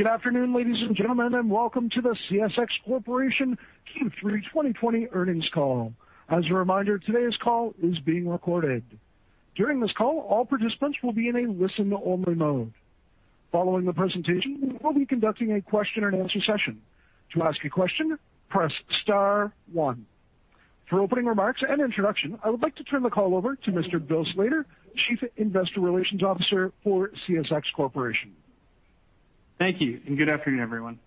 Good afternoon, ladies and gentlemen, and welcome to the CSX Corporation Q4 2020 earnings call. As a reminder, today's call is being recorded. During this call, all participants will be in a listen-only mode. Following the presentation, we will be conducting a question and answer session. To ask a question press star one. For opening remarks and introduction, I would like to turn the call over to Mr. Bill Slater, Chief Investor Relations Officer for CSX Corporation. Thank you. Good afternoon, everyone.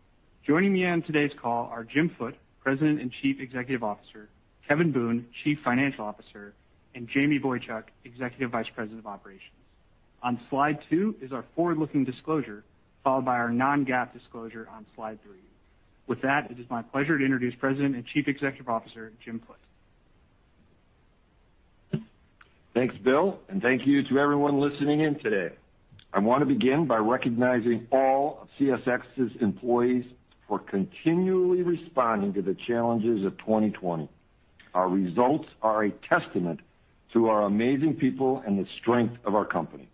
Joining me on today's call are Jim Foote, President and Chief Executive Officer, Kevin Boone, Chief Financial Officer, and Jamie Boychuk, Executive Vice President of Operations. On slide two is our forward-looking disclosure, followed by our non-GAAP disclosure on slide three. With that, it is my pleasure to introduce President and Chief Executive Officer, Jim Foote. Thanks, Bill, and thank you to everyone listening in today. I want to begin by recognizing all of CSX's employees for continually responding to the challenges of 2020. Our results are a testament to our amazing people and the strength of our company.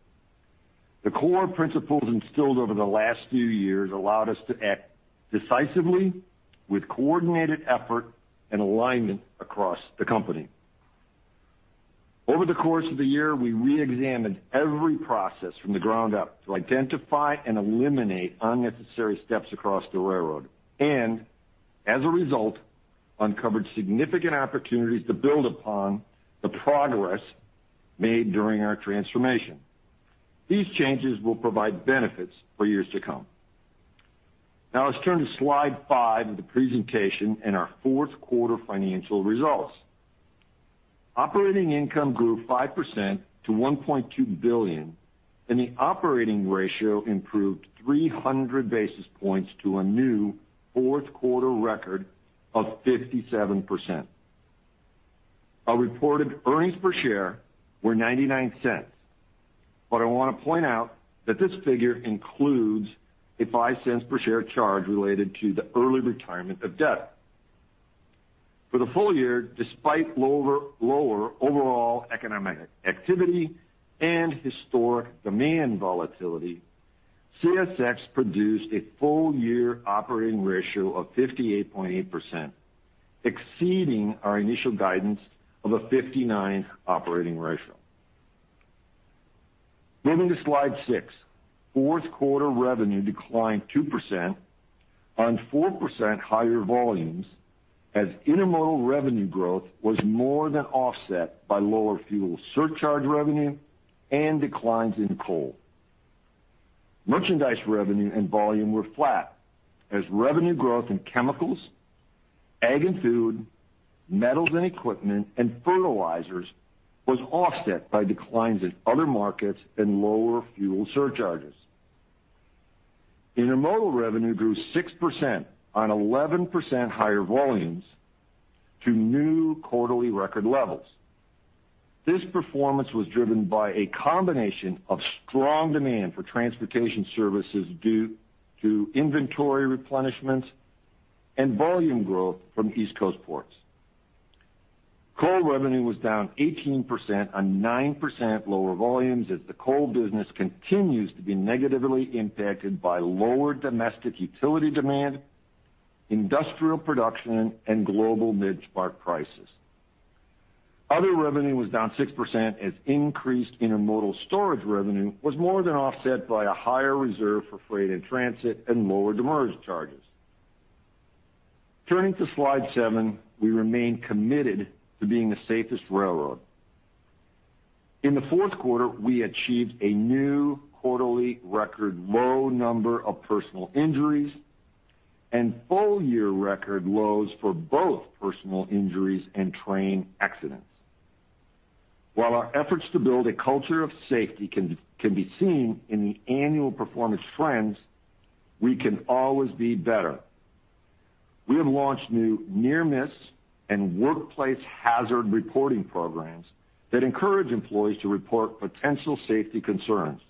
The core principles instilled over the last few years allowed us to act decisively with coordinated effort and alignment across the company. Over the course of the year, we re-examined every process from the ground up to identify and eliminate unnecessary steps across the railroad and, as a result, uncovered significant opportunities to build upon the progress made during our transformation. These changes will provide benefits for years to come. Now let's turn to slide five of the presentation and our fourth quarter financial results. Operating income grew 5% to $1.2 billion, and the operating ratio improved 300 basis points to a new fourth quarter record of 57%. Our reported earnings per share were $0.99. I want to point out that this figure includes a $0.05 per share charge related to the early retirement of debt. For the full year, despite lower overall economic activity and historic demand volatility, CSX produced a full-year operating ratio of 58.8%, exceeding our initial guidance of a 59 operating ratio. Moving to slide six, fourth quarter revenue declined 2% on 4% higher volumes as intermodal revenue growth was more than offset by lower fuel surcharge revenue and declines in coal. Merchandise revenue and volume were flat as revenue growth in chemicals, ag and food, metals and equipment, and fertilizers was offset by declines in other markets and lower fuel surcharges. Intermodal revenue grew 6% on 11% higher volumes to new quarterly record levels. This performance was driven by a combination of strong demand for transportation services due to inventory replenishment and volume growth from East Coast ports. Coal revenue was down 18% on 9% lower volumes as the coal business continues to be negatively impacted by lower domestic utility demand, industrial production, and global met coal prices. Other revenue was down 6% as increased intermodal storage revenue was more than offset by a higher reserve for freight in transit and lower demurrage charges. Turning to slide seven, we remain committed to being the safest railroad. In the fourth quarter, we achieved a new quarterly record low number of personal injuries and full-year record lows for both personal injuries and train accidents. While our efforts to build a culture of safety can be seen in the annual performance trends, we can always be better. We have launched new near-miss and workplace hazard reporting programs that encourage employees to report potential safety concerns.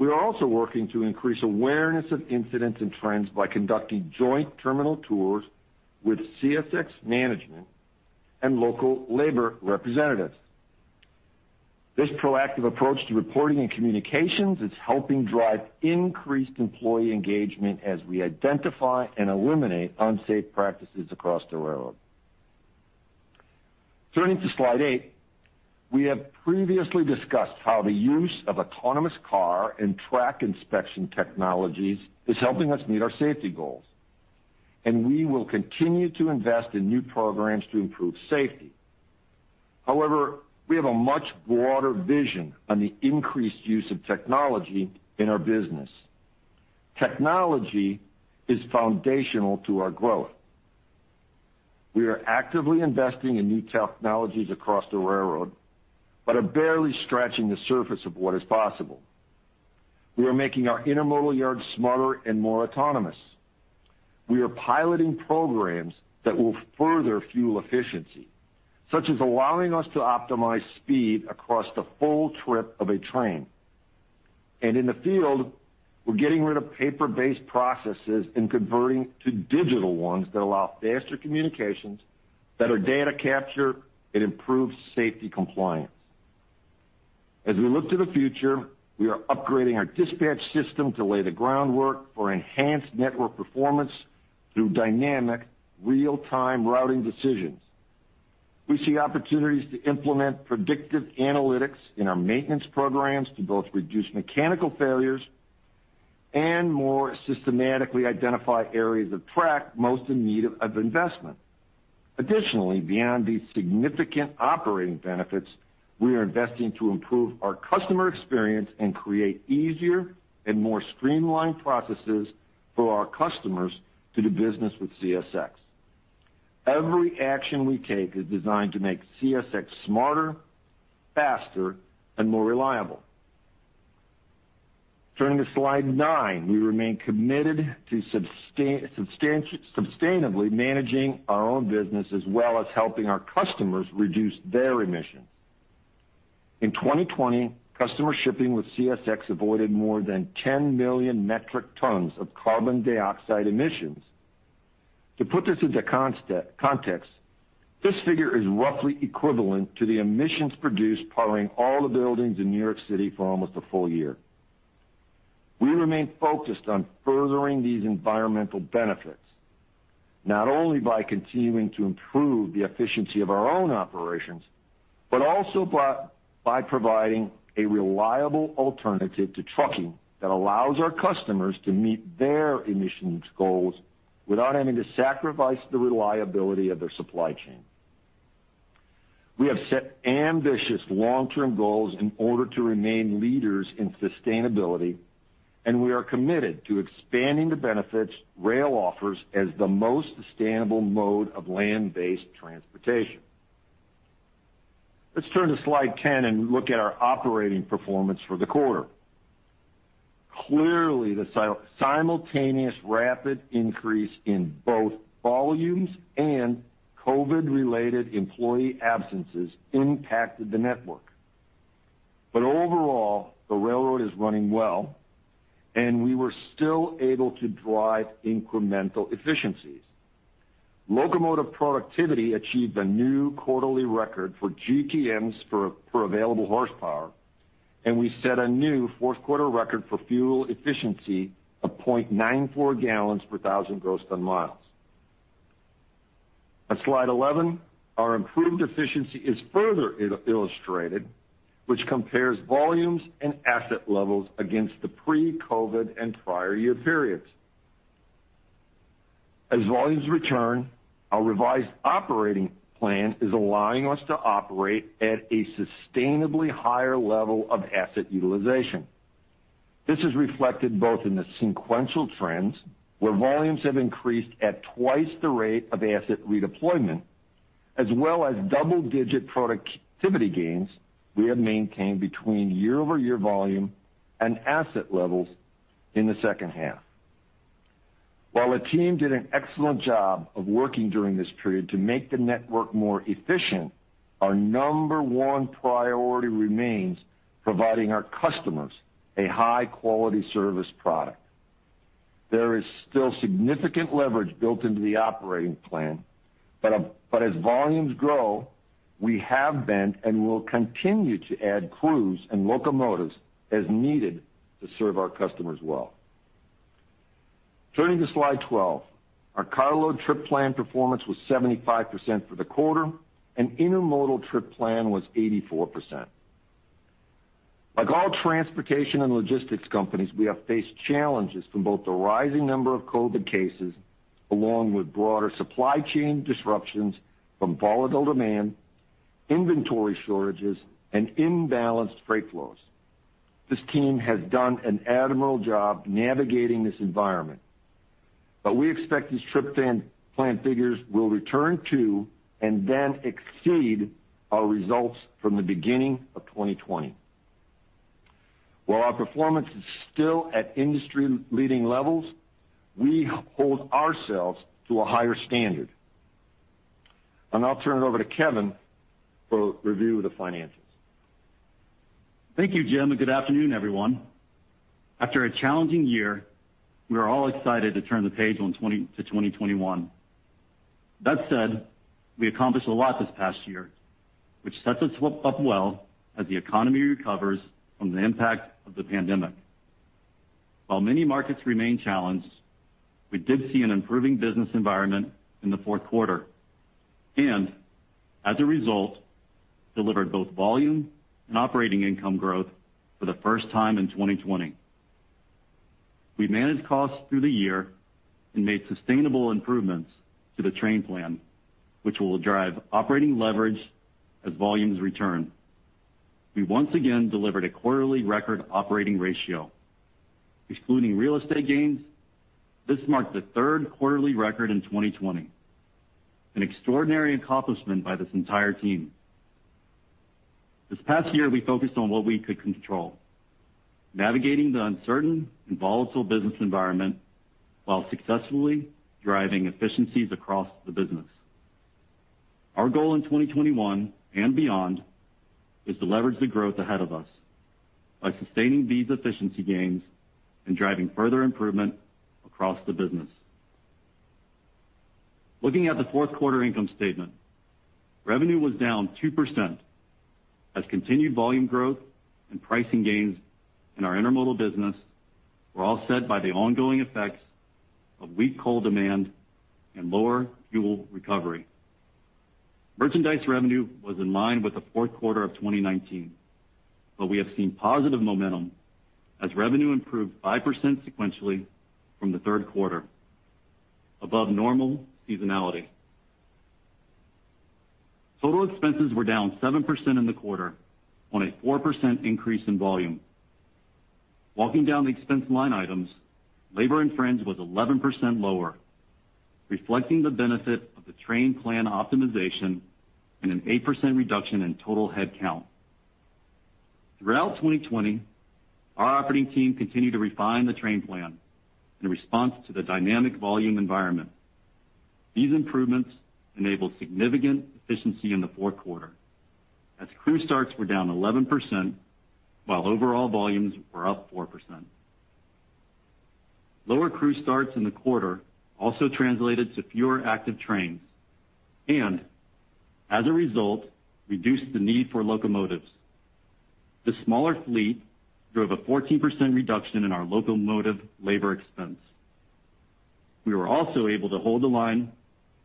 We are also working to increase awareness of incidents and trends by conducting joint terminal tours with CSX management and local labor representatives. This proactive approach to reporting and communications is helping drive increased employee engagement as we identify and eliminate unsafe practices across the railroad. Turning to slide eight, we have previously discussed how the use of autonomous car and track inspection technologies is helping us meet our safety goals, and we will continue to invest in new programs to improve safety. However, we have a much broader vision on the increased use of technology in our business. Technology is foundational to our growth. We are actively investing in new technologies across the railroad but are barely scratching the surface of what is possible. We are making our intermodal yards smarter and more autonomous. We are piloting programs that will further fuel efficiency, such as allowing us to optimize speed across the full trip of a train. In the field, we're getting rid of paper-based processes and converting to digital ones that allow faster communications, better data capture, and improved safety compliance. As we look to the future, we are upgrading our dispatch system to lay the groundwork for enhanced network performance through dynamic real-time routing decisions. We see opportunities to implement predictive analytics in our maintenance programs to both reduce mechanical failures and more systematically identify areas of track most in need of investment. Additionally, beyond these significant operating benefits, we are investing to improve our customer experience and create easier and more streamlined processes for our customers to do business with CSX. Every action we take is designed to make CSX smarter, faster, and more reliable. Turning to slide nine, we remain committed to sustainably managing our own business as well as helping our customers reduce their emissions. In 2020, customer shipping with CSX avoided more than 10 million metric tons of carbon dioxide emissions. To put this into context, this figure is roughly equivalent to the emissions produced powering all the buildings in New York City for almost a full year. We remain focused on furthering these environmental benefits, not only by continuing to improve the efficiency of our own operations, but also by providing a reliable alternative to trucking that allows our customers to meet their emissions goals without having to sacrifice the reliability of their supply chain. We have set ambitious long-term goals in order to remain leaders in sustainability, and we are committed to expanding the benefits rail offers as the most sustainable mode of land-based transportation. Let's turn to slide 10 and look at our operating performance for the quarter. Clearly, the simultaneous rapid increase in both volumes and COVID-related employee absences impacted the network. Overall, the railroad is running well, and we were still able to drive incremental efficiencies. Locomotive productivity achieved a new quarterly record for GTMs per available horsepower, and we set a new fourth quarter record for fuel efficiency of 0.94 gallons per thousand gross ton miles. On slide 11, our improved efficiency is further illustrated, which compares volumes and asset levels against the pre-COVID and prior year periods. As volumes return, our revised operating plan is allowing us to operate at a sustainably higher level of asset utilization. This is reflected both in the sequential trends, where volumes have increased at twice the rate of asset redeployment, as well as double-digit productivity gains we have maintained between year-over-year volume and asset levels in the second half. While the team did an excellent job of working during this period to make the network more efficient, our number one priority remains providing our customers a high-quality service product. There is still significant leverage built into the operating plan, but as volumes grow, we have been and will continue to add crews and locomotives as needed to serve our customers well. Turning to slide 12, our carload trip plan performance was 75% for the quarter, and intermodal trip plan was 84%. Like all transportation and logistics companies, we have faced challenges from both the rising number of COVID cases, along with broader supply chain disruptions from volatile demand, inventory shortages, and imbalanced freight flows. This team has done an admirable job navigating this environment. We expect these trip plan figures will return to and then exceed our results from the beginning of 2020. While our performance is still at industry-leading levels, we hold ourselves to a higher standard. I'll turn it over to Kevin for review of the finances. Thank you, Jim, and good afternoon, everyone. After a challenging year, we are all excited to turn the page to 2021. We accomplished a lot this past year, which sets us up well as the economy recovers from the impact of the pandemic. While many markets remain challenged, we did see an improving business environment in the fourth quarter, delivered both volume and operating income growth for the first time in 2020. We managed costs through the year and made sustainable improvements to the train plan, which will drive operating leverage as volumes return. We once again delivered a quarterly record operating ratio. Excluding real estate gains, this marked the third quarterly record in 2020, an extraordinary accomplishment by this entire team. This past year, we focused on what we could control, navigating the uncertain and volatile business environment while successfully driving efficiencies across the business. Our goal in 2021 and beyond is to leverage the growth ahead of us. And sustaining business efficiency gains and driving further improvements across the business. Looking at the fourth quarter income statement, revenue was down 2% as continued volume growth and pricing gains in our intermodal business were offset by the ongoing effects of weak coal demand and lower fuel recovery. Merchandise revenue was in line with the fourth quarter of 2019. We have seen positive momentum as revenue improved 5% sequentially from the third quarter, above normal seasonality. Total expenses were down 7% in the quarter on a 4% increase in volume. Walking down the expense line items, labor and fringe was 11% lower, reflecting the benefit of the train plan optimization and an 8% reduction in total head count. Throughout 2020, our operating team continued to refine the train plan in response to the dynamic volume environment. These improvements enabled significant efficiency in the fourth quarter as crew starts were down 11%, while overall volumes were up 4%. Lower crew starts in the quarter also translated to fewer active trains and as a result, reduced the need for locomotives. The smaller fleet drove a 14% reduction in our locomotive labor expense. We were also able to hold the line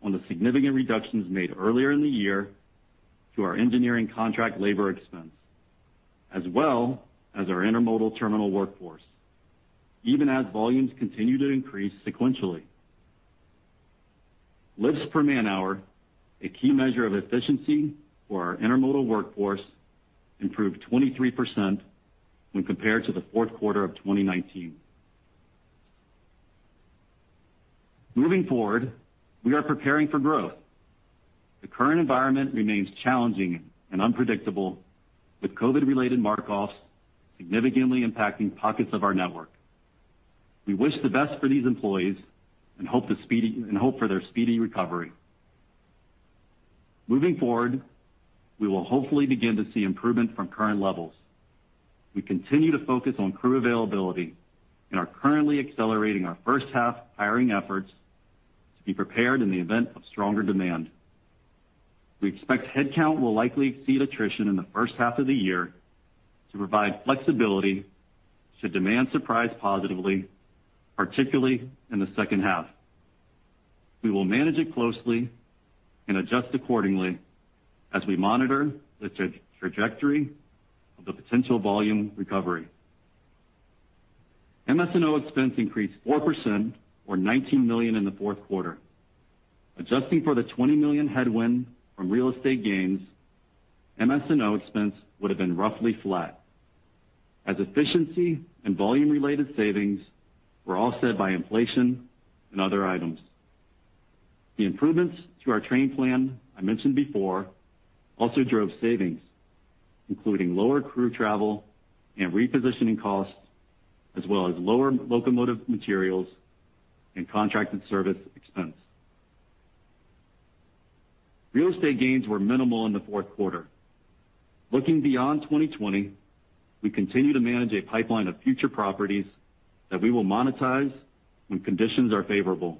on the significant reductions made earlier in the year to our engineering contract labor expense, as well as our intermodal terminal workforce, even as volumes continue to increase sequentially. Lifts per man hour, a key measure of efficiency for our intermodal workforce, improved 23% when compared to the fourth quarter of 2019. Moving forward, we are preparing for growth. The current environment remains challenging and unpredictable with COVID related mark offs significantly impacting pockets of our network. We wish the best for these employees and hope for their speedy recovery. Moving forward, we will hopefully begin to see improvement from current levels. We continue to focus on crew availability and are currently accelerating our first half hiring efforts to be prepared in the event of stronger demand. We expect head count will likely exceed attrition in the H1 of the year to provide flexibility should demand surprise positively, particularly in the second half. We will manage it closely and adjust accordingly as we monitor the trajectory of the potential volume recovery. MS&O expense increased 4% or $19 million in the fourth quarter. Adjusting for the $20 million headwind from real estate gains, MS&O expense would have been roughly flat, as efficiency and volume related savings were offset by inflation and other items. The improvements to our train plan I mentioned before also drove savings, including lower crew travel and repositioning costs, as well as lower locomotive materials and contracted service expense. Real estate gains were minimal in the fourth quarter. Looking beyond 2020, we continue to manage a pipeline of future properties that we will monetize when conditions are favorable.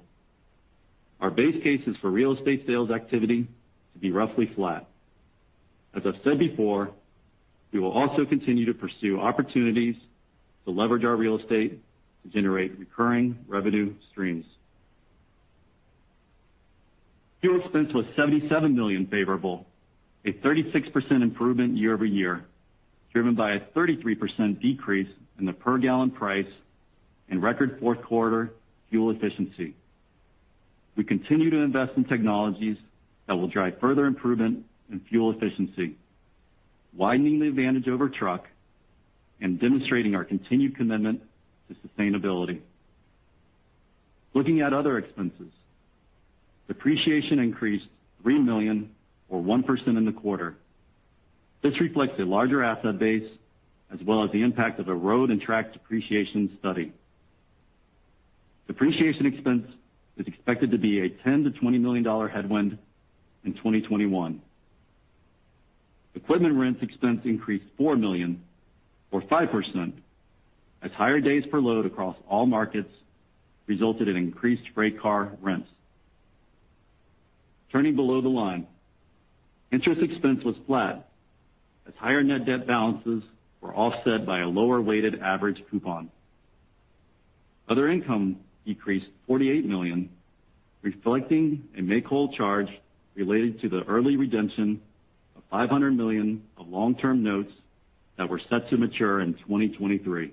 Our base case is for real estate sales activity to be roughly flat. As I've said before, we will also continue to pursue opportunities to leverage our real estate to generate recurring revenue streams. Fuel expense was $77 million favorable, a 36% improvement year-over-year, driven by a 33% decrease in the per gallon price and record fourth quarter fuel efficiency. We continue to invest in technologies that will drive further improvement in fuel efficiency, widening the advantage over truck, and demonstrating our continued commitment to sustainability. Looking at other expenses, depreciation increased $3 million or 1% in the quarter. This reflects a larger asset base as well as the impact of a road and track depreciation study. Depreciation expense is expected to be a $10 million-$20 million headwind in 2021. Equipment rent expense increased $4 million or 5% as higher days per load across all markets resulted in increased freight car rents. Turning below the line, interest expense was flat as higher net debt balances were offset by a lower weighted average coupon. Other income decreased $48 million, reflecting a make whole charge related to the early redemption of $500 million of long-term notes that were set to mature in 2023.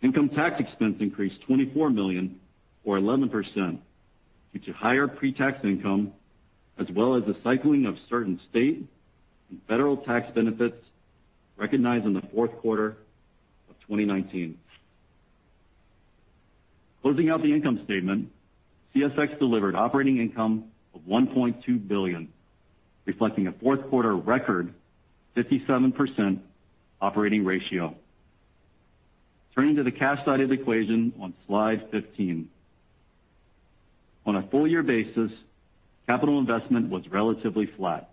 Income tax expense increased $24 million or 11% due to higher pre-tax income, as well as the cycling of certain state and federal tax benefits recognized in the fourth quarter of 2019. Closing out the income statement, CSX delivered operating income of $1.2 billion, reflecting a fourth quarter record 57% operating ratio. Turning to the cash side of the equation on slide 15. On a full year basis, capital investment was relatively flat.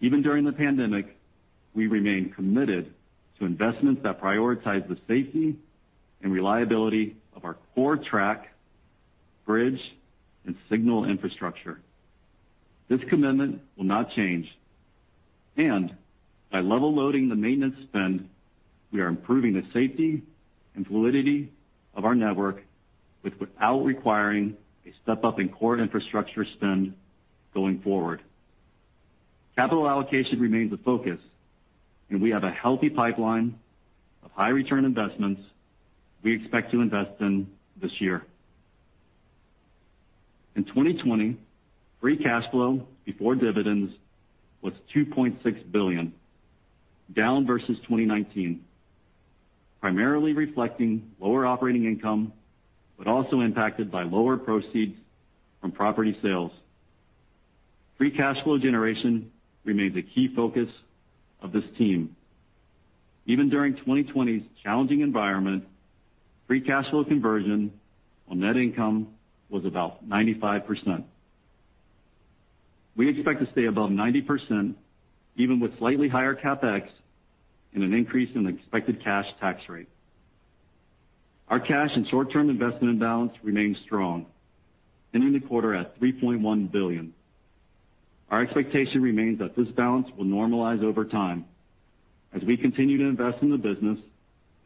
Even during the pandemic, we remain committed to investments that prioritize the safety and reliability of our core track, bridge, and signal infrastructure. This commitment will not change. By level loading the maintenance spend, we are improving the safety and fluidity of our network without requiring a step up in core infrastructure spend going forward. Capital allocation remains a focus, and we have a healthy pipeline of high return investments we expect to invest in this year. In 2020, free cash flow before dividends was $2.6 billion, down versus 2019, primarily reflecting lower operating income, but also impacted by lower proceeds from property sales. Free cash flow generation remains a key focus of this team. Even during 2020's challenging environment, free cash flow conversion on net income was about 95%. We expect to stay above 90%, even with slightly higher CapEx and an increase in the expected cash tax rate. Our cash and short-term investment balance remains strong, ending the quarter at $3.1 billion. Our expectation remains that this balance will normalize over time as we continue to invest in the business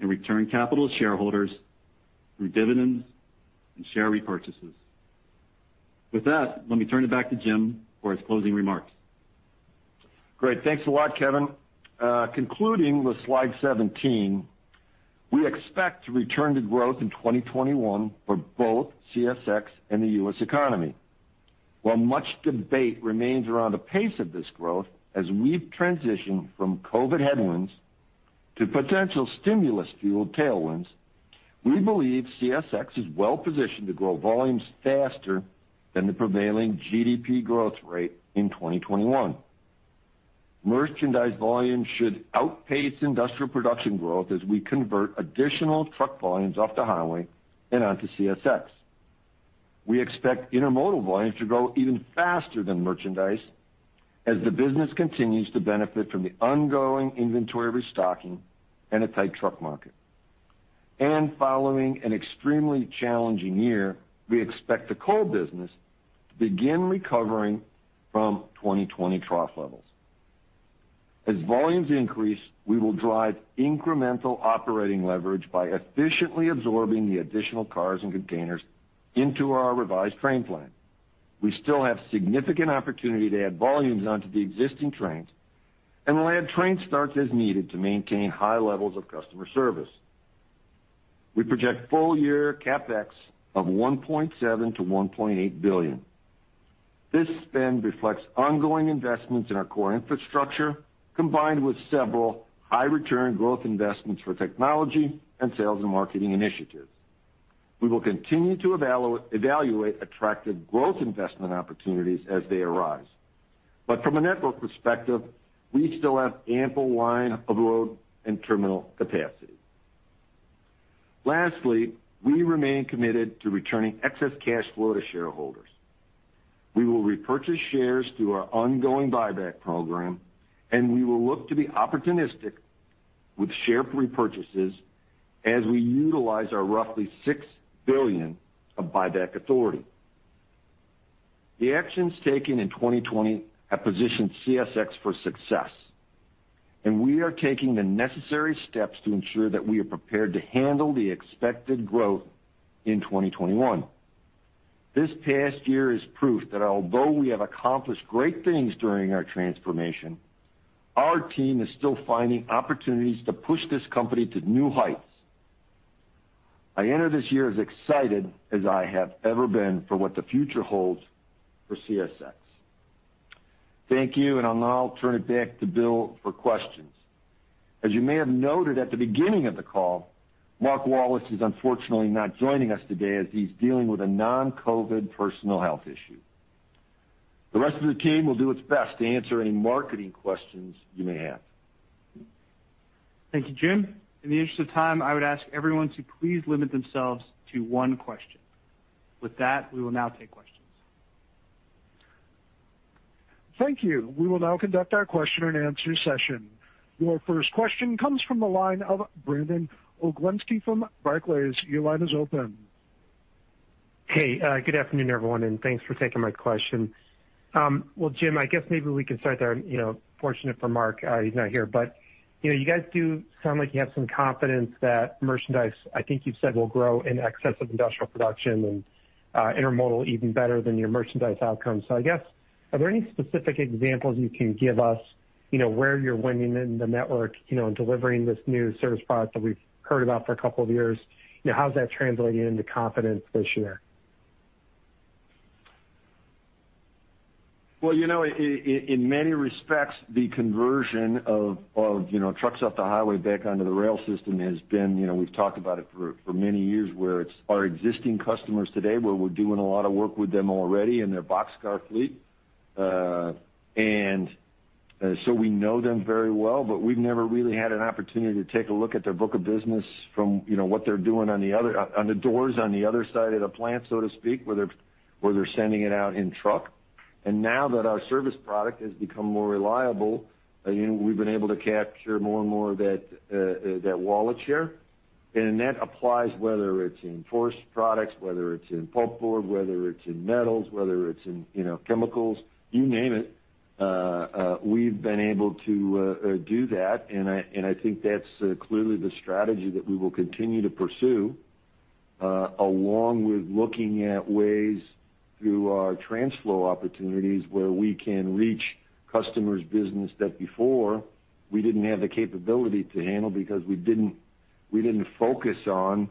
and return capital to shareholders through dividends and share repurchases. With that, let me turn it back to Jim for his closing remarks. Great. Thanks a lot, Kevin. Concluding with slide 17, we expect to return to growth in 2021 for both CSX and the U.S. economy. While much debate remains around the pace of this growth as we transition from COVID headwinds to potential stimulus-fueled tailwinds, we believe CSX is well-positioned to grow volumes faster than the prevailing GDP growth rate in 2021. Merchandise volumes should outpace industrial production growth as we convert additional truck volumes off the highway and onto CSX. We expect intermodal volumes to grow even faster than merchandise as the business continues to benefit from the ongoing inventory restocking and a tight truck market. Following an extremely challenging year, we expect the coal business to begin recovering from 2020 trough levels. As volumes increase, we will drive incremental operating leverage by efficiently absorbing the additional cars and containers into our revised train plan. We still have significant opportunity to add volumes onto the existing trains. We'll add train starts as needed to maintain high levels of customer service. We project full-year CapEx of $1.7 billion-$1.8 billion. This spend reflects ongoing investments in our core infrastructure, combined with several high return growth investments for technology and sales and marketing initiatives. We will continue to evaluate attractive growth investment opportunities as they arise. From a network perspective, we still have ample line of road and terminal capacity. Lastly, we remain committed to returning excess cash flow to shareholders. We will repurchase shares through our ongoing buyback program. We will look to be opportunistic with share repurchases as we utilize our roughly $6 billion of buyback authority. The actions taken in 2020 have positioned CSX for success, and we are taking the necessary steps to ensure that we are prepared to handle the expected growth in 2021. This past year is proof that although we have accomplished great things during our transformation, our team is still finding opportunities to push this company to new heights. I enter this year as excited as I have ever been for what the future holds for CSX. Thank you. I'll now turn it back to Bill for questions. As you may have noted at the beginning of the call, Mark Wallace is unfortunately not joining us today as he's dealing with a non-COVID personal health issue. The rest of the team will do its best to answer any marketing questions you may have. Thank you, Jim. In the interest of time, I would ask everyone to please limit themselves to one question. With that, we will now take questions. Thank you. We will now conduct our question and answer session. Your first question comes from the line of Brandon Oglenski from Barclays. Your line is open. Hey, good afternoon, everyone, and thanks for taking my question. Well, Jim, I guess maybe we can start there, unfortunate for Mark he's not here, but you guys do sound like you have some confidence that merchandise, I think you've said, will grow in excess of industrial production and intermodal even better than your merchandise outcomes. I guess, are there any specific examples you can give us, where you're winning in the network, and delivering this new service product that we've heard about for a couple of years? How's that translating into confidence this year? Well, in many respects, the conversion of trucks off the highway back onto the rail system, we've talked about it for many years, where it's our existing customers today, where we're doing a lot of work with them already in their boxcar fleet. We know them very well, but we've never really had an opportunity to take a look at their book of business from what they're doing on the doors on the other side of the plant, so to speak, where they're sending it out in truck. Now that our service product has become more reliable, we've been able to capture more and more of that wallet share. That applies whether it's in forest products, whether it's in pulpboard, whether it's in metals, whether it's in chemicals, you name it. We've been able to do that, and I think that's clearly the strategy that we will continue to pursue, along with looking at ways through our TRANSFLO opportunities where we can reach customers' business that before we didn't have the capability to handle because we didn't focus on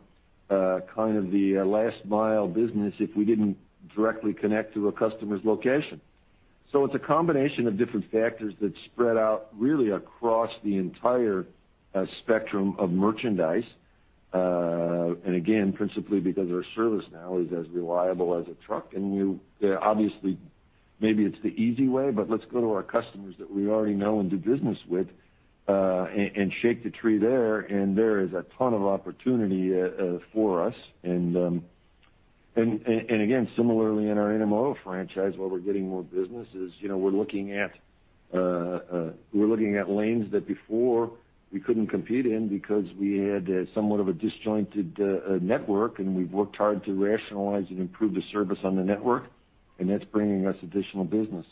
kind of the last mile business if we didn't directly connect to a customer's location. It's a combination of different factors that spread out really across the entire spectrum of merchandise. Again, principally because our service now is as reliable as a truck, and obviously, maybe it's the easy way, but let's go to our customers that we already know and do business with, and shake the tree there and there is a ton of opportunity for us. Again, similarly in our intermodal franchise, while we're getting more businesses, we're looking at lanes that before we couldn't compete in because we had somewhat of a disjointed network, and we've worked hard to rationalize and improve the service on the network, and that's bringing us additional business.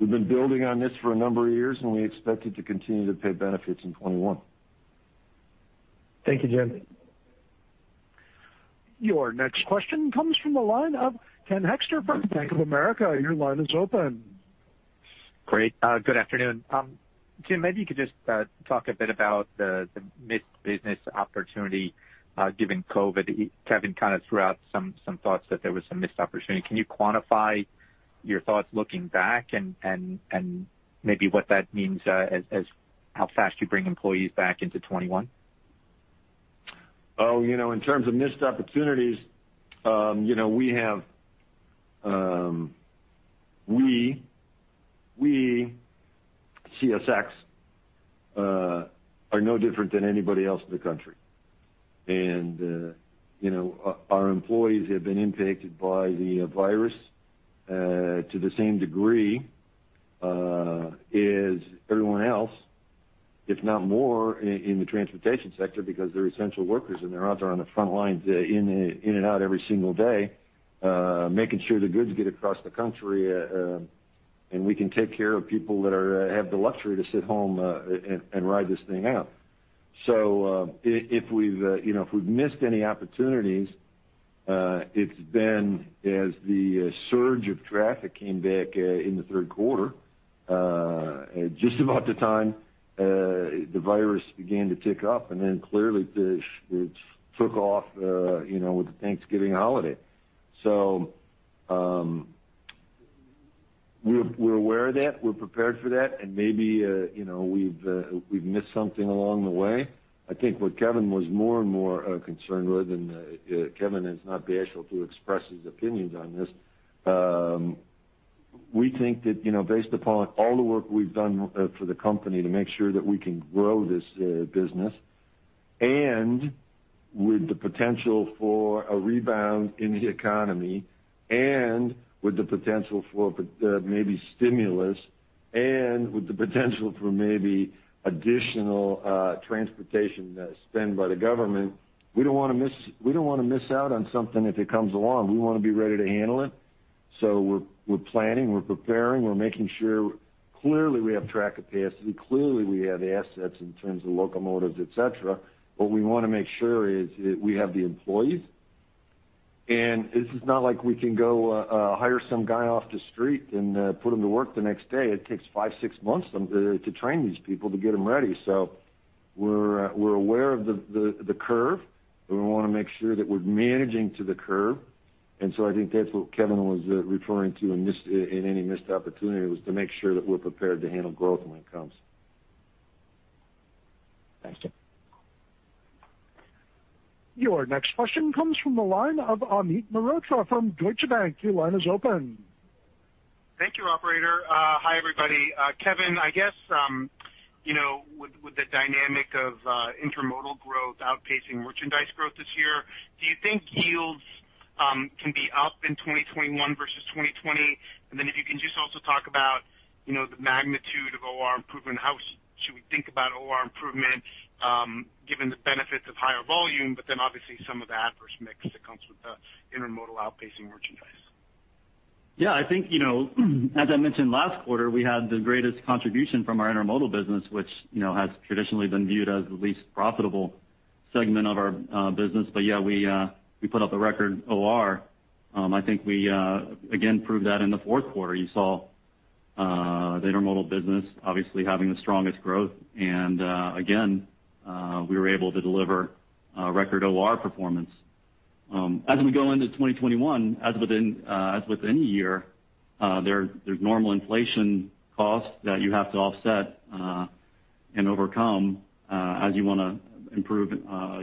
We've been building on this for a number of years, and we expect it to continue to pay benefits in 2021. Thank you, Jim. Your next question comes from the line of Ken Hoexter from Bank of America. Your line is open. Great. Good afternoon. Jim, maybe you could just talk a bit about the missed business opportunity given COVID. Kevin kind of threw out some thoughts that there was some missed opportunity. Can you quantify your thoughts looking back and maybe what that means as how fast you bring employees back into 2021? In terms of missed opportunities, we, CSX, are no different than anybody else in the country. Our employees have been impacted by the virus, to the same degree as everyone else, if not more in the transportation sector because they're essential workers and they're out there on the front lines, in and out every single day, making sure the goods get across the country, and we can take care of people that have the luxury to sit home and ride this thing out. If we've missed any opportunities, it's been as the surge of traffic came back in the third quarter, just about the time the virus began to tick up, and then clearly it took off with the Thanksgiving holiday. We're aware of that. We're prepared for that and maybe we've missed something along the way. I think what Kevin was more and more concerned with, and Kevin is not bashful to express his opinions on this, we think that based upon all the work we've done for the company to make sure that we can grow this business, and with the potential for a rebound in the economy, and with the potential for maybe stimulus, and with the potential for maybe additional transportation spend by the government, we don't want to miss out on something if it comes along. We want to be ready to handle it. We're planning, we're preparing, we're making sure clearly we have track capacity. Clearly we have assets in terms of locomotives, et cetera. What we want to make sure is we have the employees. This is not like we can go hire some guy off the street and put him to work the next day. It takes five, six months to train these people to get them ready. We're aware of the curve, and we want to make sure that we're managing to the curve. I think that's what Kevin was referring to in any missed opportunity, was to make sure that we're prepared to handle growth when it comes. Thanks, Jim. Your next question comes from the line of Amit Mehrotra from Deutsche Bank. Thank you, operator. Hi, everybody. Kevin, I guess with the dynamic of intermodal growth outpacing merchandise growth this year, do you think yields can be up in 2021 versus 2020? If you can just also talk about the magnitude of OR improvement, how should we think about OR improvement given the benefits of higher volume, but then obviously some of the adverse mix that comes with the intermodal outpacing merchandise? Yeah, I think, as I mentioned last quarter, we had the greatest contribution from our intermodal business, which has traditionally been viewed as the least profitable segment of our business. Yeah, we put up a record OR. I think we again proved that in the fourth quarter. You saw the intermodal business obviously having the strongest growth. Again, we were able to deliver record OR performance. As we go into 2021, as with any year, there's normal inflation costs that you have to offset and overcome as you want to improve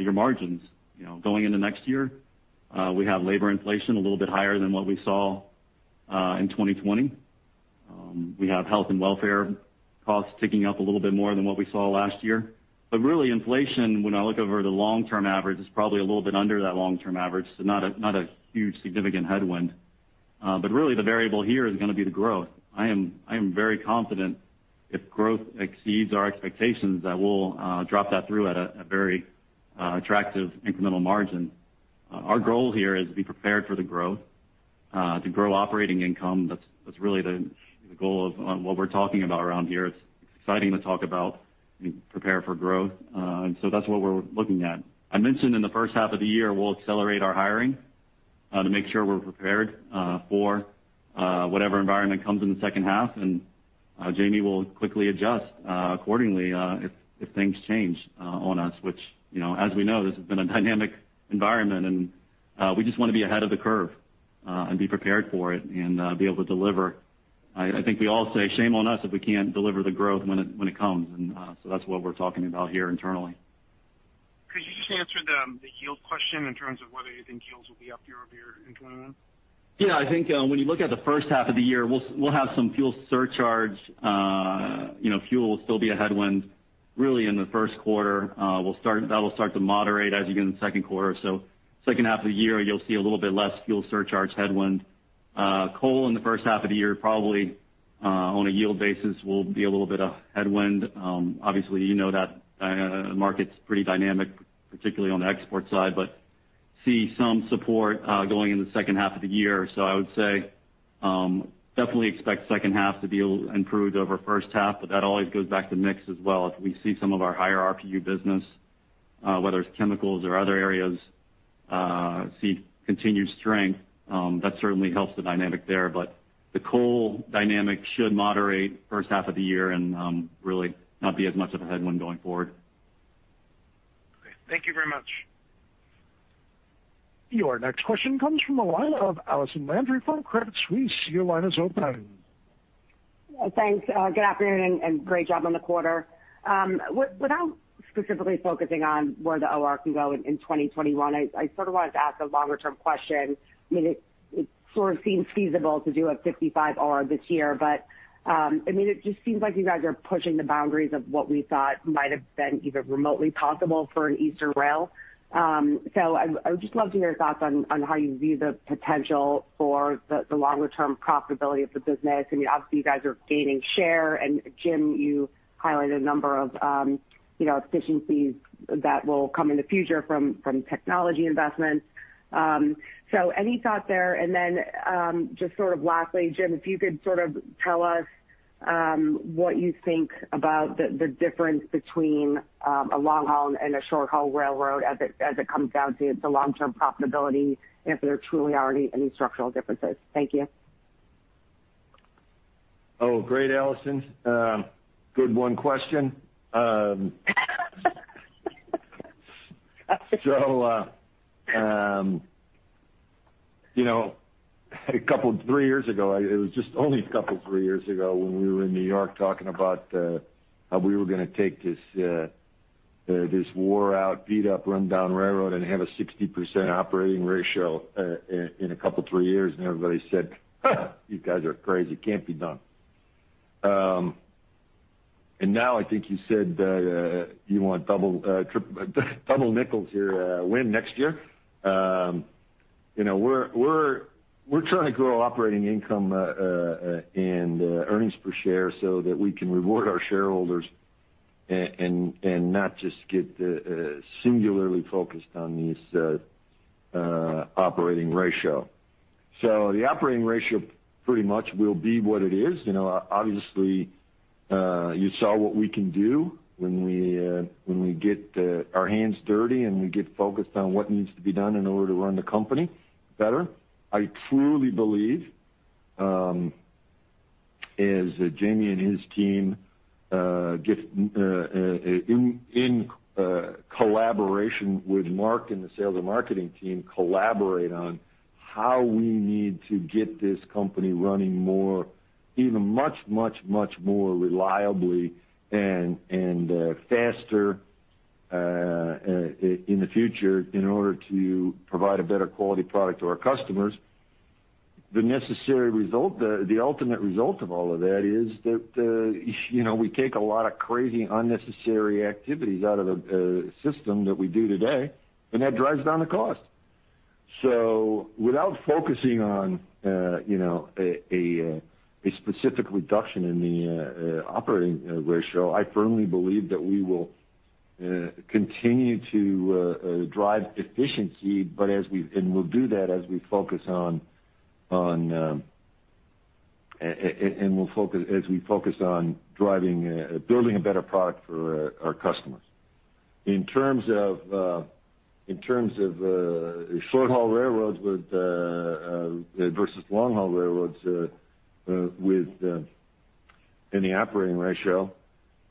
your margins. Going into next year, we have labor inflation a little bit higher than what we saw in 2020. We have health and welfare costs ticking up a little bit more than what we saw last year. Really inflation, when I look over the long-term average, is probably a little bit under that long-term average, so not a huge significant headwind. Really the variable here is going to be the growth. I am very confident if growth exceeds our expectations, that we'll drop that through at a very attractive incremental margin. Our goal here is to be prepared for the growth, to grow operating income. That's really the goal of what we're talking about around here. It's exciting to talk about and prepare for growth. That's what we're looking at. I mentioned in the H1 of the year, we'll accelerate our hiring to make sure we're prepared for whatever environment comes in the second half. Jamie will quickly adjust accordingly if things change on us, which as we know, this has been a dynamic environment, and we just want to be ahead of the curve and be prepared for it and be able to deliver. I think we all say shame on us if we can't deliver the growth when it comes. That's what we're talking about here internally. Could you just answer the yield question in terms of whether you think yields will be up year-over-year in 2021? Yeah, I think when you look at the H1 of the year, we'll have some fuel surcharge. Fuel will still be a headwind really in the first quarter. That will start to moderate as you get into the second quarter. H2 of the year, you'll see a little bit less fuel surcharge headwind. Coal in the H1 of the year, probably on a yield basis, will be a little bit of headwind. Obviously, you know that market's pretty dynamic, particularly on the export side, but see some support going in the H2 of the year. I would say, definitely expect second half to be improved over first half, but that always goes back to mix as well. If we see some of our higher RPU business, whether it's chemicals or other areas, see continued strength, that certainly helps the dynamic there. The coal dynamic should moderate H1 of the year and really not be as much of a headwind going forward. Okay. Thank you very much. Your next question comes from the line of Allison Landry from Credit Suisse. Your line is open. Thanks. Good afternoon and great job on the quarter. Without specifically focusing on where the OR can go in 2021, I sort of wanted to ask a longer-term question. It sort of seems feasible to do a 55 OR this year, but it just seems like you guys are pushing the boundaries of what we thought might have been even remotely possible for an Eastern rail. I would just love to hear your thoughts on how you view the potential for the longer-term profitability of the business. Obviously, you guys are gaining share, and Jim, you highlighted a number of efficiencies that will come in the future from technology investments. Any thought there? Just sort of lastly, Jim, if you could sort of tell us what you think about the difference between a long haul and a short haul railroad as it comes down to the long-term profitability and if there truly are any structural differences. Thank you. Great, Allison. Good one question. Three years ago, it was just only a couple, three years ago when we were in New York talking about how we were going to take this wore-out, beat-up, run-down railroad and have a 60% operating ratio in a couple, three years, and everybody said "You guys are crazy. It can't be done." Now I think you said that you want double nickels here in next year. We're trying to grow operating income and earnings per share so that we can reward our shareholders and not just get singularly focused on this operating ratio. The operating ratio pretty much will be what it is. Obviously, you saw what we can do when we get our hands dirty and we get focused on what needs to be done in order to run the company better. I truly believe as Jamie and his team, in collaboration with Mark and the sales and marketing team, collaborate on how we need to get this company running more, even much, much, much more reliably and faster in the future in order to provide a better quality product to our customers. The ultimate result of all of that is that we take a lot of crazy unnecessary activities out of the system that we do today, and that drives down the cost. Without focusing on a specific reduction in the operating ratio, I firmly believe that we will continue to drive efficiency, and we'll do that as we focus on building a better product for our customers. In terms of short haul railroads versus long haul railroads in the operating ratio,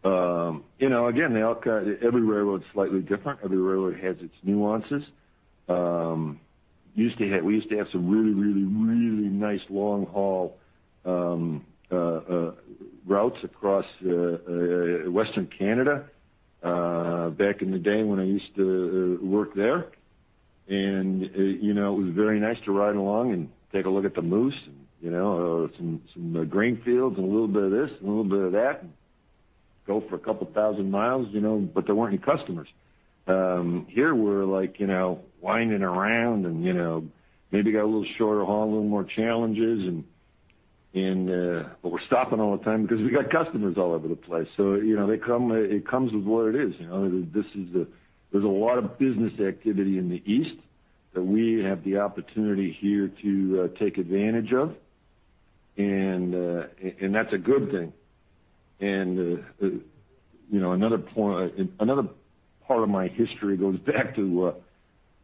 again, every railroad is slightly different. Every railroad has its nuances. We used to have some really, really, really nice long haul routes across Western Canada back in the day when I used to work there. It was very nice to ride along and take a look at the moose and some green fields and a little bit of this and a little bit of that, and go for couple 1,000 miles. There weren't any customers. Here we're winding around and maybe got a little shorter haul, a little more challenges, but we're stopping all the time because we got customers all over the place. It comes with what it is. There's a lot of business activity in the East that we have the opportunity here to take advantage of. That's a good thing. Another part of my history goes back to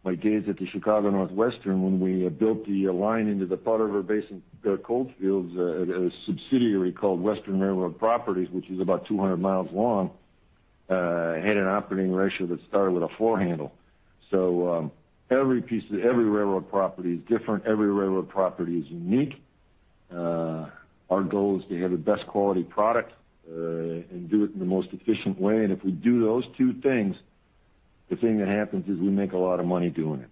my days at the Chicago and North Western when we built the line into the Powder River Basin, the coal fields, a subsidiary called Western Railroad Properties, which is about 200 miles long, had an operating ratio that started with a four handle. Every railroad property is different. Every railroad property is unique. Our goal is to have the best quality product and do it in the most efficient way, and if we do those two things, the thing that happens is we make a lot of money doing it.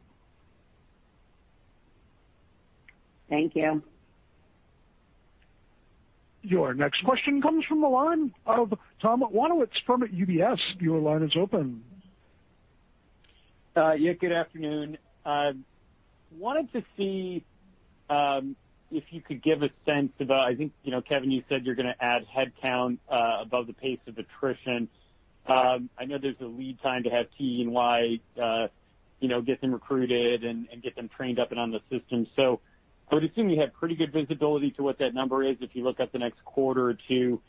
Thank you. Your next question comes from the line of Tom Wadewitz from UBS. Your line is open. Yeah, good afternoon. Wanted to see if you could give a sense of, I think, Kevin, you said you're going to add headcount above the pace of attrition. I know there's a lead time to have T&E get them recruited and get them trained up and on the system. I would assume you have pretty good visibility to what that number is if you look at the next quarter or two,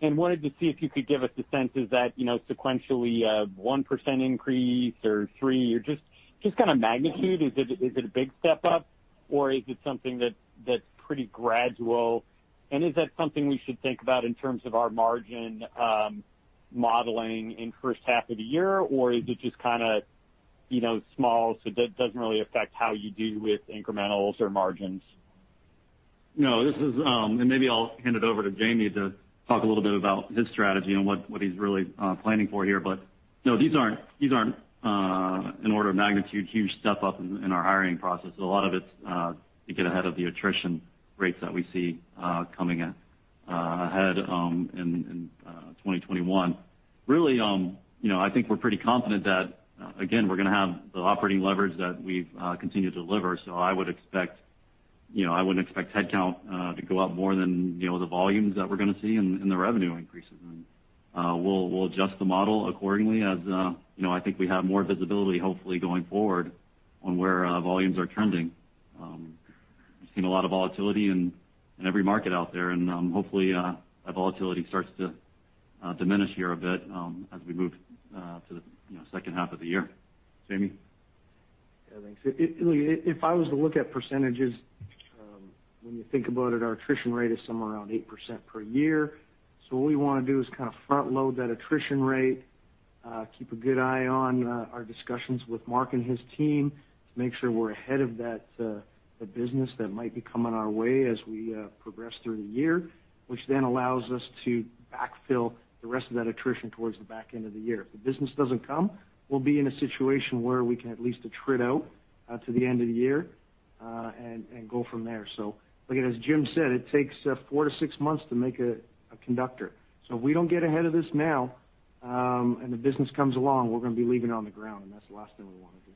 and wanted to see if you could give us a sense, is that sequentially a 1% increase or three or just kind of magnitude? Is it a big step up or is it something that's pretty gradual? Is that something we should think about in terms of our margin modeling in H1 of the year? Is it just kind of small, so doesn't really affect how you do with incrementals or margins? No, this is, and maybe I'll hand it over to Jamie to talk a little bit about his strategy and what he's really planning for here. No, these aren't in order of magnitude, huge step up in our hiring process. A lot of it's to get ahead of the attrition rates that we see coming ahead in 2021. I think we're pretty confident that, again, we're going to have the operating leverage that we've continued to deliver. I wouldn't expect headcount to go up more than the volumes that we're going to see and the revenue increases. We'll adjust the model accordingly as I think we have more visibility, hopefully, going forward on where volumes are trending. We've seen a lot of volatility in every market out there. Hopefully, that volatility starts to diminish here a bit, as we move to the H2 of the year. Jamie? Yeah, thanks. If I was to look at percentages, when you think about it, our attrition rate is somewhere around 8% per year. What we want to do is kind of front load that attrition rate, keep a good eye on our discussions with Mark and his team to make sure we're ahead of that business that might be coming our way as we progress through the year, which then allows us to backfill the rest of that attrition towards the back end of the year. If the business doesn't come, we'll be in a situation where we can at least attrit out to the end of the year, and go from there. Again, as Jim said, it takes four to six months to make a conductor. If we don't get ahead of this now, and the business comes along, we're going to be leaving it on the ground, and that's the last thing we want to do.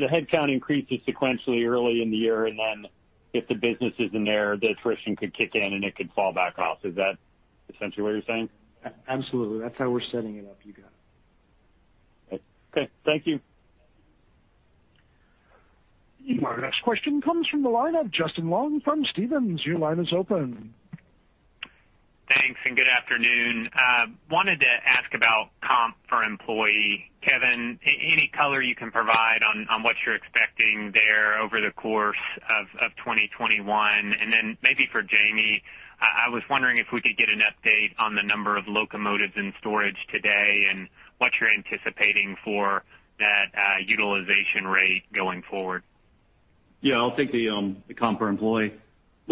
The headcount increases sequentially early in the year, and then if the business isn't there, the attrition could kick in and it could fall back off. Is that essentially what you're saying? Absolutely. That's how we're setting it up, you got it. Okay. Thank you. Our next question comes from the line of Justin Long from Stephens. Your line is open. Thanks, good afternoon. I wanted to ask about comp per employee. Kevin, any color you can provide on what you're expecting there over the course of 2021? Maybe for Jamie, I was wondering if we could get an update on the number of locomotives in storage today and what you're anticipating for that utilization rate going forward. I'll take the comp for employee.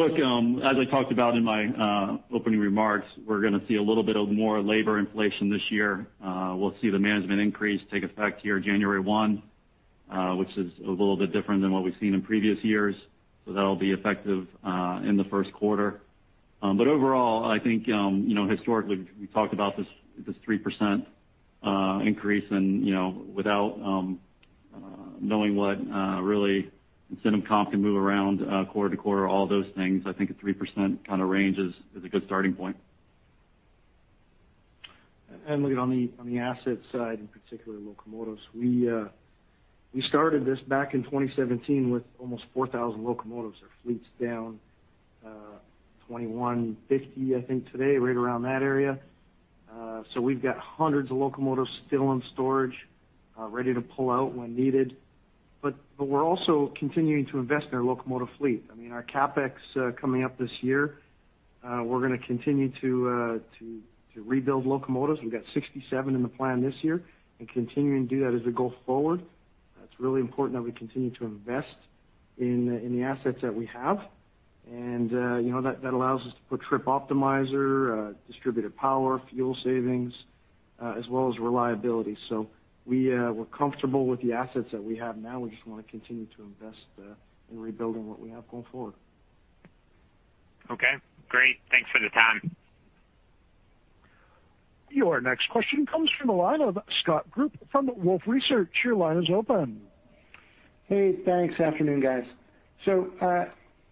As I talked about in my opening remarks, we're going to see a little bit of more labor inflation this year. We'll see the management increase take effect here January 1, which is a little bit different than what we've seen in previous years. That'll be effective in the first quarter. Overall, I think, historically, we talked about this 3% increase and without knowing what really incentive comp can move around quarter-to-quarter, all those things, I think a 3% kind of range is a good starting point. Look on the asset side, in particular, locomotives. We started this back in 2017 with almost 4,000 locomotives. Our fleet's down 2,150, I think, today, right around that area. We've got hundreds of locomotives still in storage, ready to pull out when needed. We're also continuing to invest in our locomotive fleet. I mean, our CapEx coming up this year, we're going to continue to rebuild locomotives. We've got 67 in the plan this year and continuing to do that as we go forward. It's really important that we continue to invest in the assets that we have. That allows us to put Trip Optimizer, distributed power, fuel savings, as well as reliability. We're comfortable with the assets that we have now. We just want to continue to invest in rebuilding what we have going forward. Okay, great. Thanks for the time. Your next question comes from the line of Scott Group from Wolfe Research. Your line is open. Hey, thanks. Afternoon, guys.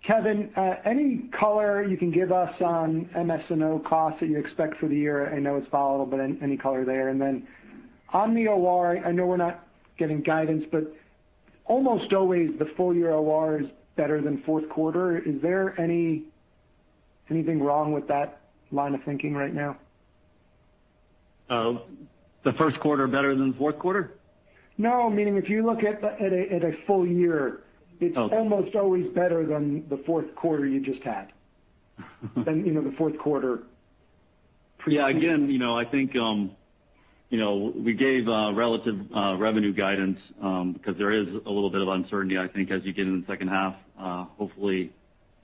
Kevin, any color you can give us on MS&O costs that you expect for the year? I know it's volatile, but any color there? On the OR, I know we're not getting guidance, but almost always the full year OR is better than fourth quarter. Is there anything wrong with that line of thinking right now? The first quarter better than fourth quarter? No, meaning if you look at a full year- Okay. It's almost always better than the fourth quarter you just had. Again, I think we gave relative revenue guidance because there is a little bit of uncertainty, I think, as you get into the second half. Hopefully,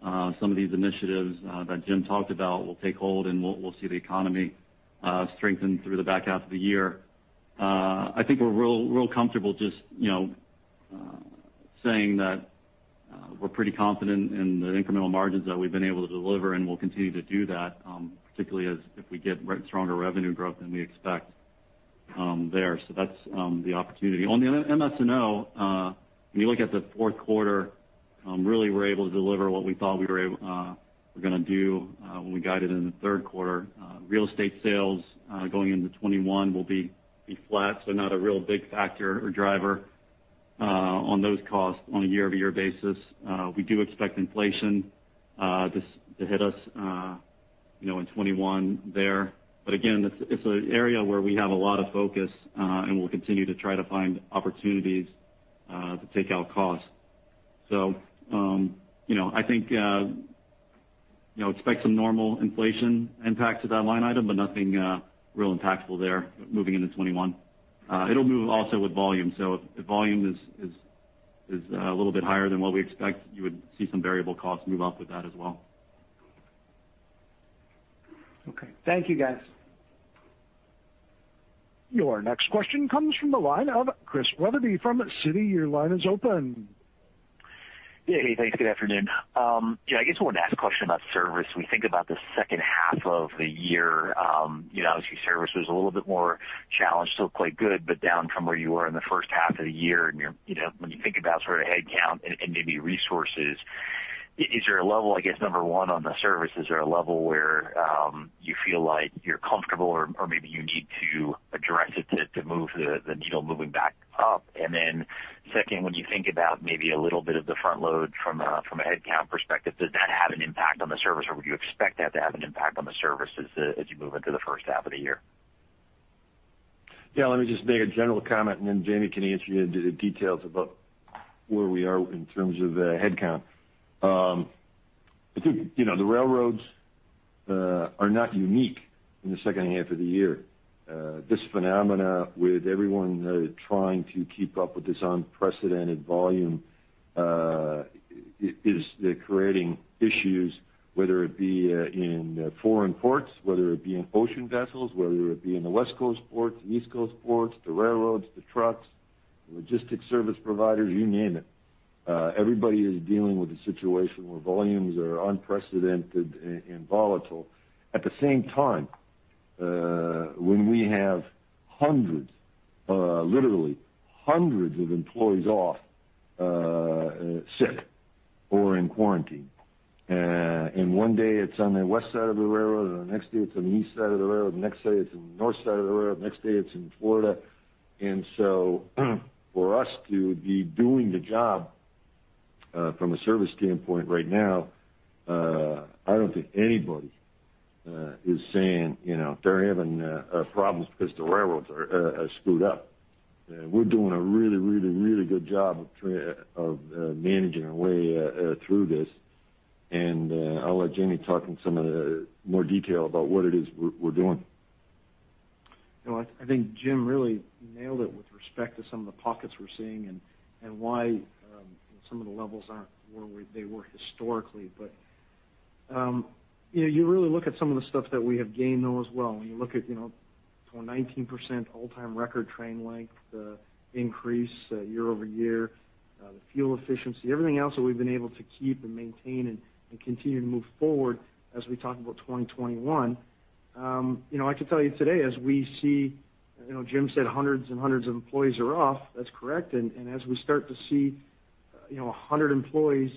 some of these initiatives that Jim talked about will take hold, and we'll see the economy strengthen through the back half of the year. I think we're real comfortable just saying that we're pretty confident in the incremental margins that we've been able to deliver, and we'll continue to do that, particularly as if we get stronger revenue growth than we expect there. That's the opportunity. On the MS&O, when you look at the fourth quarter, really, we're able to deliver what we thought we were going to do when we guided in the third quarter. Real estate sales going into 2021 will be flat, so not a real big factor or driver on those costs on a year-over-year basis. We do expect inflation to hit us in 2021 there. Again, it's an area where we have a lot of focus, and we'll continue to try to find opportunities to take out costs. I think expect some normal inflation impact to that line item, but nothing real impactful there moving into 2021. It'll move also with volume. If volume is a little bit higher than what we expect, you would see some variable costs move up with that as well. Okay. Thank you, guys. Your next question comes from the line of Chris Wetherbee from Citi. Your line is open. Yeah. Hey, thanks. Good afternoon. Yeah, I guess I wanted to ask a question about service. We think about the H2 of the year. Obviously, service was a little bit more challenged, still quite good, but down from where you were in the H1 of the year. When you think about headcount and maybe resources, is there a level, I guess, number one, on the service, is there a level where you feel like you're comfortable or maybe you need to address it to move the needle moving back up? Second, when you think about maybe a little bit of the front load from a headcount perspective, does that have an impact on the service, or would you expect that to have an impact on the services as you move into the H1 of the year? Yeah, let me just make a general comment, and then Jamie can answer you into the details about where we are in terms of headcount. I think the railroads are not unique in the H2 of the year. This phenomena with everyone trying to keep up with this unprecedented volume is creating issues, whether it be in foreign ports, whether it be in ocean vessels, whether it be in the West Coast ports, the East Coast ports, the railroads, the trucks, the logistics service providers, you name it. Everybody is dealing with a situation where volumes are unprecedented and volatile. At the same time, when we have hundreds, literally hundreds of employees off sick or in quarantine. One day it's on the west side of the railroad, and the next day it's on the east side of the railroad, the next day it's on the north side of the railroad, the next day it's in Florida. For us to be doing the job from a service standpoint right now, I don't think anybody is saying they're having problems because the railroads are screwed up. We're doing a really, really, really good job of managing our way through this, and I'll let Jamie talk in some more detail about what it is we're doing. I think Jim really nailed it with respect to some of the pockets we're seeing and why some of the levels aren't where they were historically. You really look at some of the stuff that we have gained, though, as well. When you look at 19% all-time record train length increase year-over-year, the fuel efficiency, everything else that we've been able to keep and maintain and continue to move forward as we talk about 2021. I can tell you today Jim said hundreds and hundreds of employees are off. That's correct. As we start to see 100 employees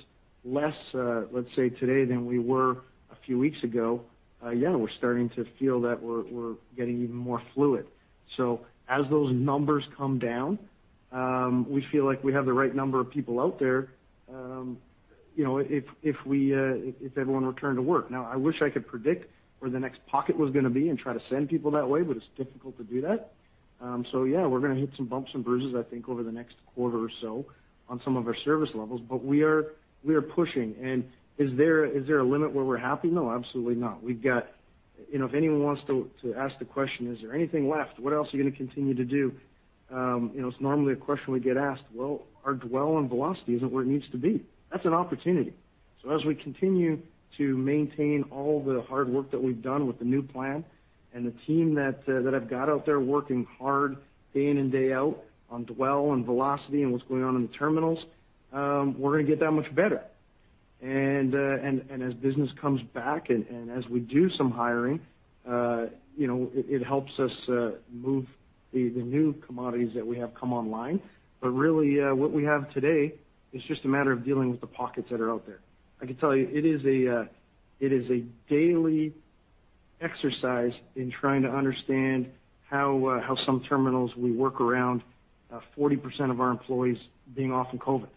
less, let's say, today than we were a few weeks ago, yeah, we're starting to feel that we're getting even more fluid. As those numbers come down, we feel like we have the right number of people out there if everyone returned to work. I wish I could predict where the next pocket was going to be and try to send people that way, but it's difficult to do that. Yeah, we're going to hit some bumps and bruises, I think, over the next quarter or so on some of our service levels, but we are pushing. Is there a limit where we're happy? No, absolutely not. If anyone wants to ask the question, is there anything left? What else are you going to continue to do? It's normally a question we get asked. Well, our dwell and velocity isn't where it needs to be. That's an opportunity. As we continue to maintain all the hard work that we've done with the new plan and the team that I've got out there working hard day in and day out on dwell and velocity and what's going on in the terminals, we're going to get that much better. As business comes back and as we do some hiring, it helps us move the new commodities that we have come online. Really, what we have today is just a matter of dealing with the pockets that are out there. I can tell you, it is a daily exercise in trying to understand how some terminals we work around have 40% of our employees being off with COVID.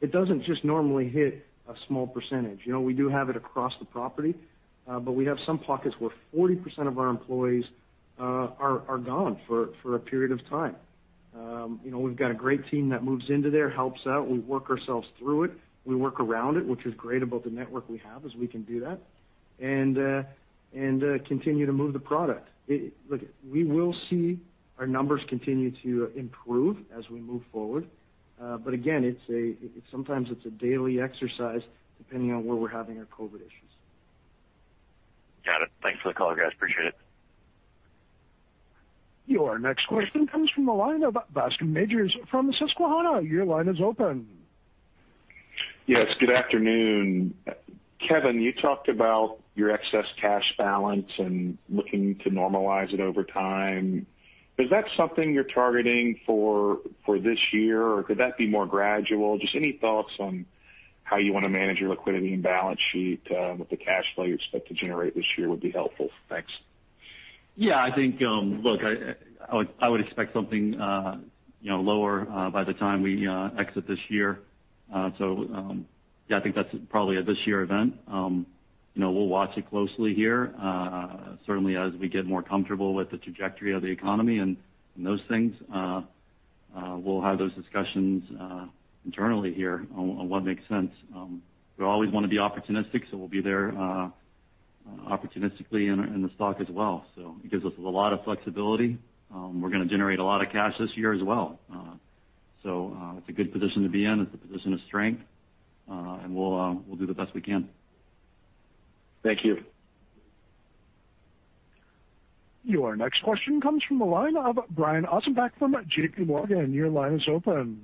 It doesn't just normally hit a small percentage. We do have it across the property, but we have some pockets where 40% of our employees are gone for a period of time. We've got a great team that moves into there, helps out. We work ourselves through it. We work around it, which is great about the network we have, is we can do that and continue to move the product. Look, we will see our numbers continue to improve as we move forward. Again, sometimes it's a daily exercise depending on where we're having our COVID issues. Got it. Thanks for the call, guys. Appreciate it. Your next question comes from the line of Bascome Majors from Susquehanna. Your line is open. Yes, good afternoon. Kevin, you talked about your excess cash balance and looking to normalize it over time. Is that something you're targeting for this year, or could that be more gradual? Just any thoughts on how you want to manage your liquidity and balance sheet with the cash flow you expect to generate this year would be helpful. Thanks. Yeah, I think, look, I would expect something lower by the time we exit this year. Yeah, I think that's probably a this year event. We'll watch it closely here. Certainly, as we get more comfortable with the trajectory of the economy and those things, we'll have those discussions internally here on what makes sense. We always want to be opportunistic, so we'll be there opportunistically in the stock as well. It gives us a lot of flexibility. We're going to generate a lot of cash this year as well. It's a good position to be in. It's a position of strength. We'll do the best we can. Thank you. Your next question comes from the line of Brian Ossenbeck from JP Morgan. Your line is open.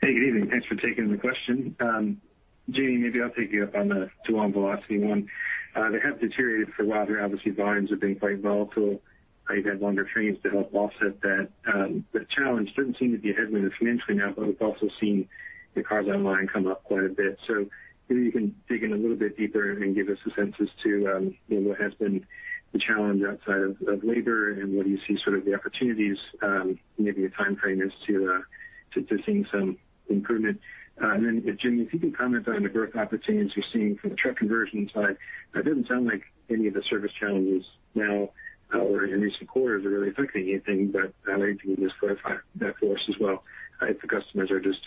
Hey, good evening. Thanks for taking the question. Jim, maybe I'll take you up on the dwell and velocity one. They have deteriorated for a while here. Obviously, volumes have been quite volatile. How you've had longer trains to help offset that. Challenge doesn't seem to be a headwind financially now, but we've also seen the cars online come up quite a bit. Maybe you can dig in a little bit deeper and give us a sense as to what has been the challenge outside of labor and what do you see sort of the opportunities, maybe a timeframe as to seeing some improvement. If, Jim, you can comment on the growth opportunities you're seeing from the truck conversion side. That doesn't sound like any of the service challenges now or in recent quarters are really affecting anything. I'd like you to just clarify that for us as well. If the customers are just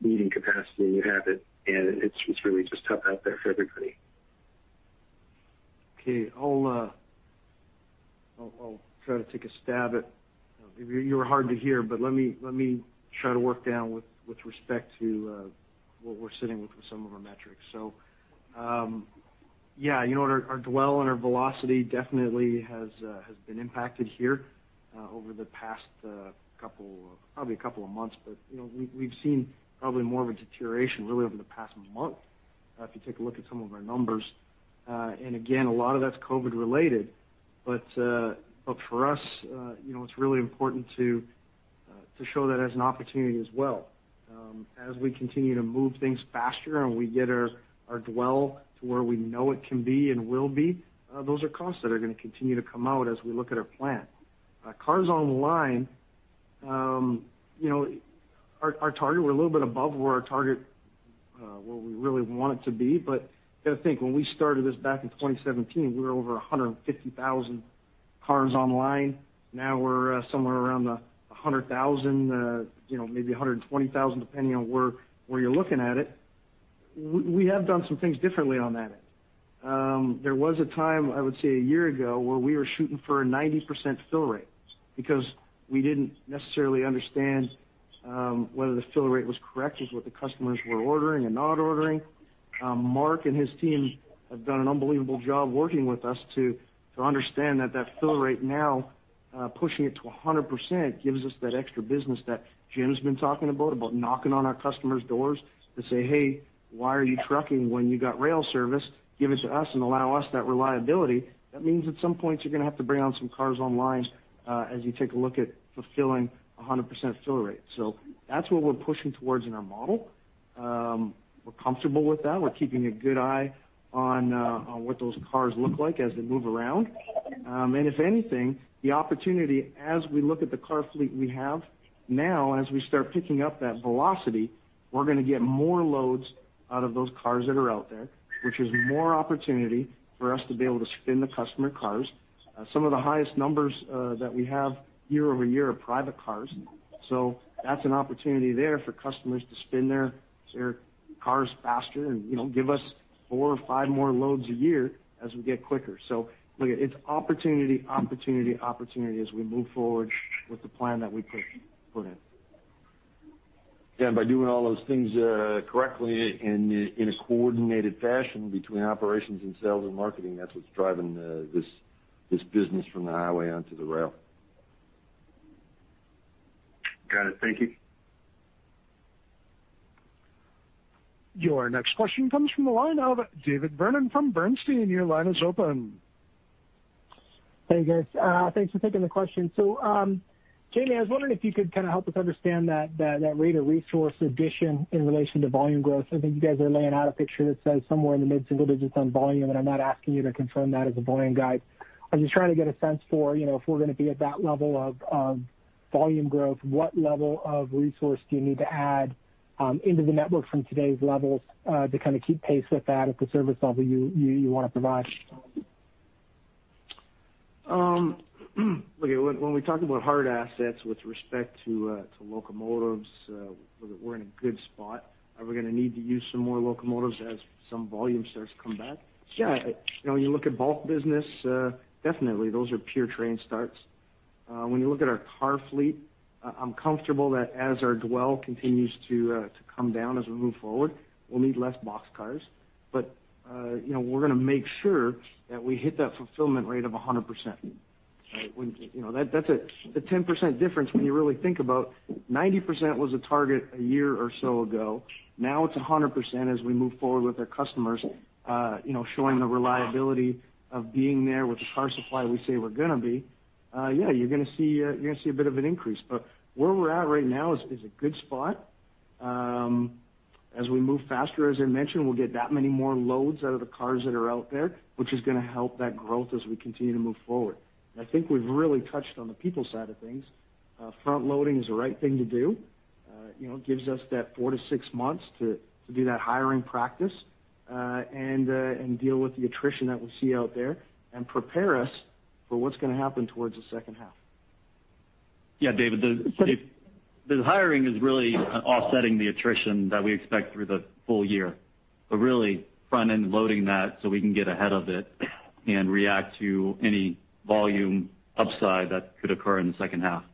needing capacity and you have it, and it's really just tough out there for everybody. Okay. I'll try to take a stab at You were hard to hear, but let me try to work down with respect to what we're sitting with with some of our metrics. Yeah. Our dwell and our velocity definitely has been impacted here over the past probably couple of months. We've seen probably more of a deterioration really over the past month, if you take a look at some of our numbers. Again, a lot of that's COVID related. For us, it's really important to show that as an opportunity as well. As we continue to move things faster and we get our dwell to where we know it can be and will be, those are costs that are going to continue to come out as we look at our plan. Cars online, our target, we're a little bit above where our target, where we really want it to be. You got to think, when we started this back in 2017, we were over 150,000 cars online. Now we're somewhere around 100,000, maybe 120,000, depending on where you're looking at it. We have done some things differently on that end. There was a time, I would say a year ago, where we were shooting for a 90% fill rate because we didn't necessarily understand whether the fill rate was correct with what the customers were ordering and not ordering. Mark and his team have done an unbelievable job working with us to understand that that fill rate now, pushing it to 100%, gives us that extra business that Jim's been talking about knocking on our customers' doors to say, "Hey, why are you trucking when you got rail service? Give it to us and allow us that reliability. That means at some point, you're going to have to bring on some cars online as you take a look at fulfilling 100% fill rate. That's what we're pushing towards in our model. We're comfortable with that. We're keeping a good eye on what those cars look like as they move around. If anything, the opportunity as we look at the car fleet we have now, as we start picking up that velocity, we're going to get more loads out of those cars that are out there, which is more opportunity for us to be able to spin the customer cars. Some of the highest numbers that we have year-over-year are private cars. That's an opportunity there for customers to spin their cars faster and give us four or five more loads a year as we get quicker. Look, it's opportunity, opportunity as we move forward with the plan that we put in. By doing all those things correctly in a coordinated fashion between operations and sales and marketing, that's what's driving this business from the highway onto the rail. Got it. Thank you. Your next question comes from the line of David Vernon from Bernstein. Your line is open. Hey, guys. Thanks for taking the question. Jamie, I was wondering if you could kind of help us understand that rate of resource addition in relation to volume growth. I think you guys are laying out a picture that says somewhere in the mid-single digits on volume, and I'm not asking you to confirm that as a volume guide. I'm just trying to get a sense for if we're going to be at that level of volume growth, what level of resource do you need to add into the network from today's levels to kind of keep pace with that at the service level you want to provide? Look, when we talk about hard assets with respect to locomotives, we're in a good spot. Are we going to need to use some more locomotives as some volume starts to come back? Yeah. When you look at bulk business, definitely those are pure train starts. When you look at our car fleet, I'm comfortable that as our dwell continues to come down as we move forward, we'll need less boxcars. We're going to make sure that we hit that fulfillment rate of 100%. That's a 10% difference when you really think about 90% was a target a year or so ago. Now it's 100% as we move forward with our customers showing the reliability of being there with the car supply we say we're going to be. Yeah, you're going to see a bit of an increase. Where we're at right now is a good spot. As we move faster, as I mentioned, we'll get that many more loads out of the cars that are out there, which is going to help that growth as we continue to move forward. I think we've really touched on the people side of things. Front loading is the right thing to do. It gives us that four to six months to do that hiring practice, and deal with the attrition that we see out there and prepare us for what's going to happen towards the second half. Yeah, David, the hiring is really offsetting the attrition that we expect through the full year, but really front-end loading that so we can get ahead of it and react to any volume upside that could occur in the second half.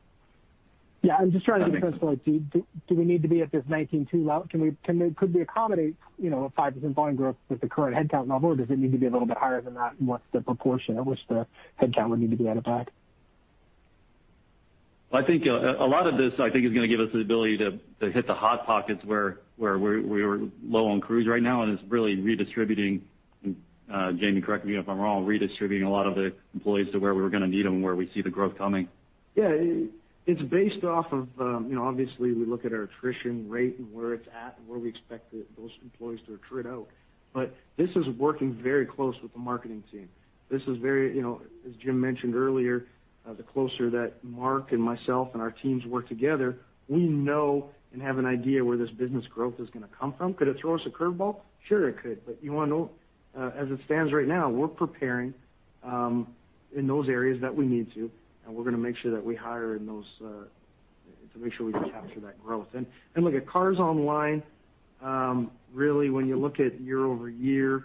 Yeah, I'm just trying to get a sense for like, do we need to be at this 1,902 level? Could we accommodate a 5% volume growth with the current headcount level, or does it need to be a little bit higher than that? What's the proportion at which the headcount would need to be added back? I think a lot of this is going to give us the ability to hit the hot pockets where we're low on crews right now, and it's really redistributing, Jamie, correct me if I'm wrong, redistributing a lot of the employees to where we were going to need them, where we see the growth coming. Yeah. It's based off of, obviously, we look at our attrition rate and where it's at and where we expect those employees to attrit out. This is working very close with the marketing team. This is very, as Jim mentioned earlier, the closer that Mark and myself and our teams work together, we know and have an idea where this business growth is going to come from. Could it throw us a curveball? Sure, it could. You know, as it stands right now, we're preparing in those areas that we need to, and we're going to make sure that we hire to make sure we capture that growth. Look at cars online, really, when you look at year-over-year,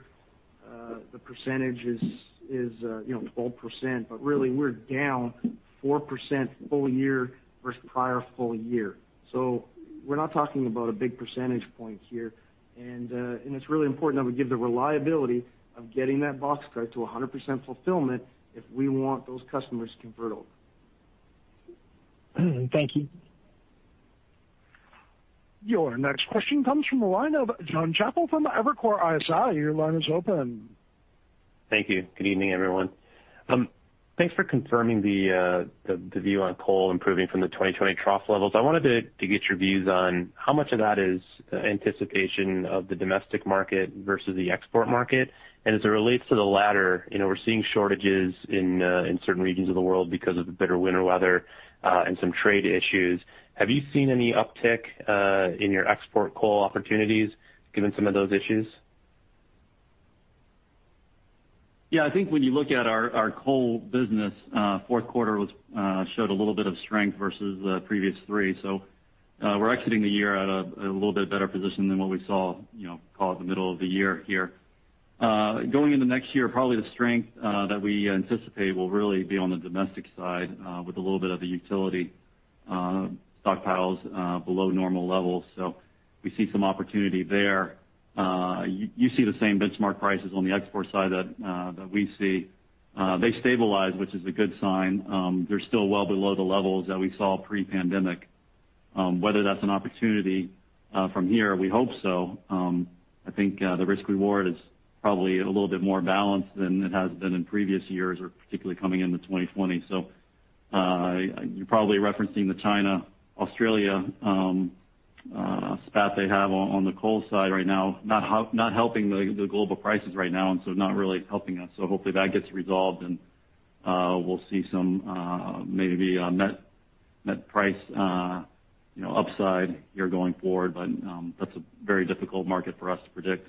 the percentage is 12%, but really we're down 4% full year versus prior full year. We're not talking about a big percentage point here. It's really important that we give the reliability of getting that boxcar to 100% fulfillment if we want those customers to convert over. Thank you. Your next question comes from the line of Jonathan Chappell from Evercore ISI. Your line is open. Thank you. Good evening, everyone. Thanks for confirming the view on coal improving from the 2020 trough levels. I wanted to get your views on how much of that is anticipation of the domestic market versus the export market, and as it relates to the latter, we're seeing shortages in certain regions of the world because of the bitter winter weather, and some trade issues. Have you seen any uptick in your export coal opportunities given some of those issues? Yeah, I think when you look at our coal business, fourth quarter showed a little bit of strength versus the previous three. We're exiting the year at a little bit better position than what we saw called the middle of the year here. Going into next year, probably the strength that we anticipate will really be on the domestic side with a little bit of the utility stockpiles below normal levels. We see some opportunity there. You see the same benchmark prices on the export side that we see. They stabilize, which is a good sign. They're still well below the levels that we saw pre-pandemic. Whether that's an opportunity from here, we hope so. I think the risk-reward is probably a little bit more balanced than it has been in previous years or particularly coming into 2020. You're probably referencing the China, Australia spat they have on the coal side right now, not helping the global prices right now, not really helping us. Hopefully, that gets resolved and we'll see some maybe met price upside here going forward, but that's a very difficult market for us to predict.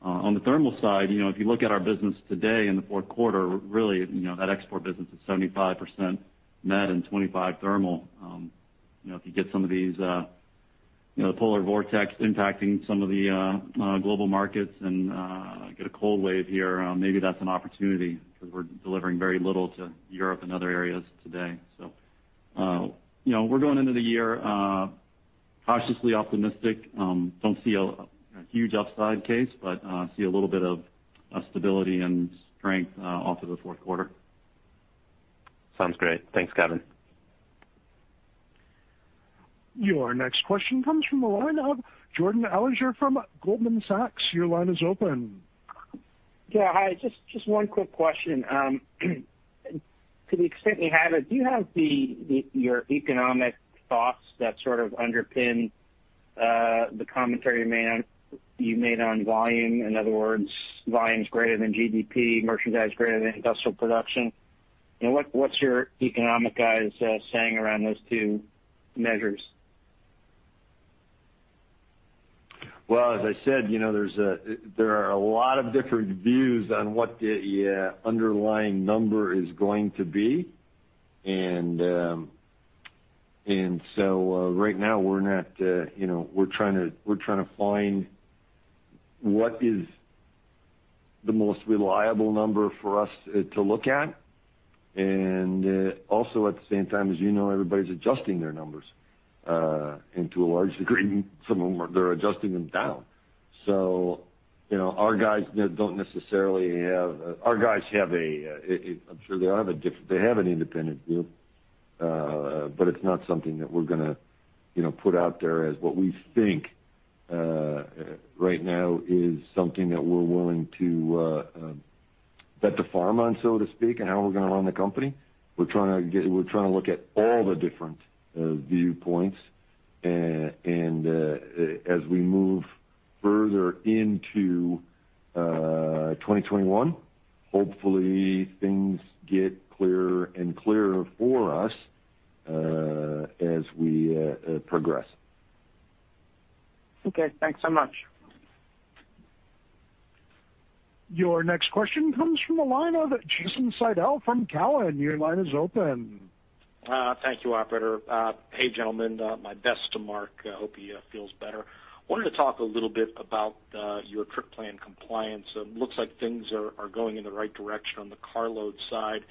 On the thermal side, if you look at our business today in the fourth quarter, really, that export business is 75% met and 25% thermal. If you get some of these polar vortex impacting some of the global markets and get a cold wave here, maybe that's an opportunity because we're delivering very little to Europe and other areas today. We're going into the year cautiously optimistic. Don't see a huge upside case, but see a little bit of stability and strength off of the fourth quarter. Sounds great. Thanks, Kevin. Your next question comes from the line of Jordan Alliger from Goldman Sachs. Your line is open. Yeah. Hi. Just one quick question. To the extent you have it, do you have your economic thoughts that sort of underpin the commentary you made on volume? In other words, volumes greater than GDP, merchandise greater than industrial production. What is your economic guys saying around those two measures? Well, as I said, there are a lot of different views on what the underlying number is going to be. Right now, we're trying to find what is the most reliable number for us to look at. Also at the same time, as you know, everybody's adjusting their numbers, and to a large degree, some of them, they're adjusting them down. Our guys have a, I'm sure they have an independent view, but it's not something that we're going to put out there as what we think right now is something that we're willing to bet the farm on, so to speak, in how we're going to run the company. We're trying to look at all the different viewpoints. As we move further into 2021, hopefully things get clearer and clearer for us as we progress. Okay, thanks so much. Your next question comes from the line of Jason Seidl from Cowen. Your line is open. Thank you, operator. Hey, gentlemen. My best to Mark. Hope he feels better. Wanted to talk a little bit about your trip plan compliance. It looks like things are going in the right direction on the car load side.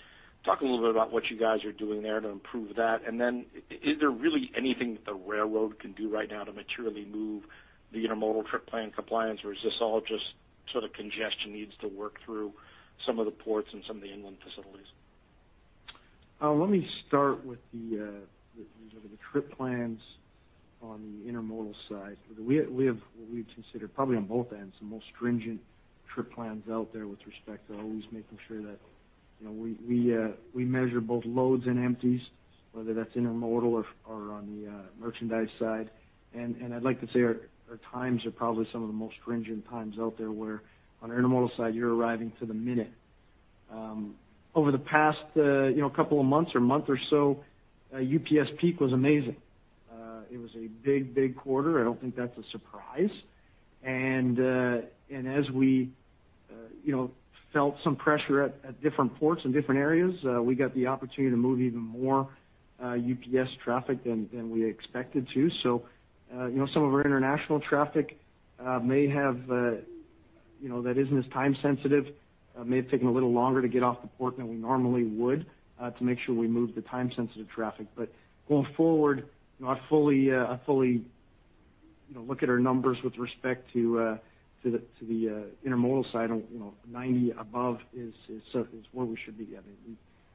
Talk a little bit about what you guys are doing there to improve that. Is there really anything that the railroad can do right now to materially move the intermodal trip plan compliance, or is this all just sort of congestion needs to work through some of the ports and some of the inland facilities? Let me start with the trip plans on the intermodal side. We have what we consider probably on both ends, the most stringent trip plans out there with respect to always making sure that we measure both loads and empties, whether that's intermodal or on the merchandise side. I'd like to say our times are probably some of the most stringent times out there, where on the intermodal side, you're arriving to the minute. Over the past couple of months or month or so, UPS peak was amazing. It was a big, big quarter. I don't think that's a surprise. As we felt some pressure at different ports in different areas, we got the opportunity to move even more UPS traffic than we expected to. Some of our international traffic that isn't as time sensitive, may have taken a little longer to get off the port than we normally would to make sure we moved the time-sensitive traffic. Going forward, I fully look at our numbers with respect to the intermodal side, 90 above is where we should be.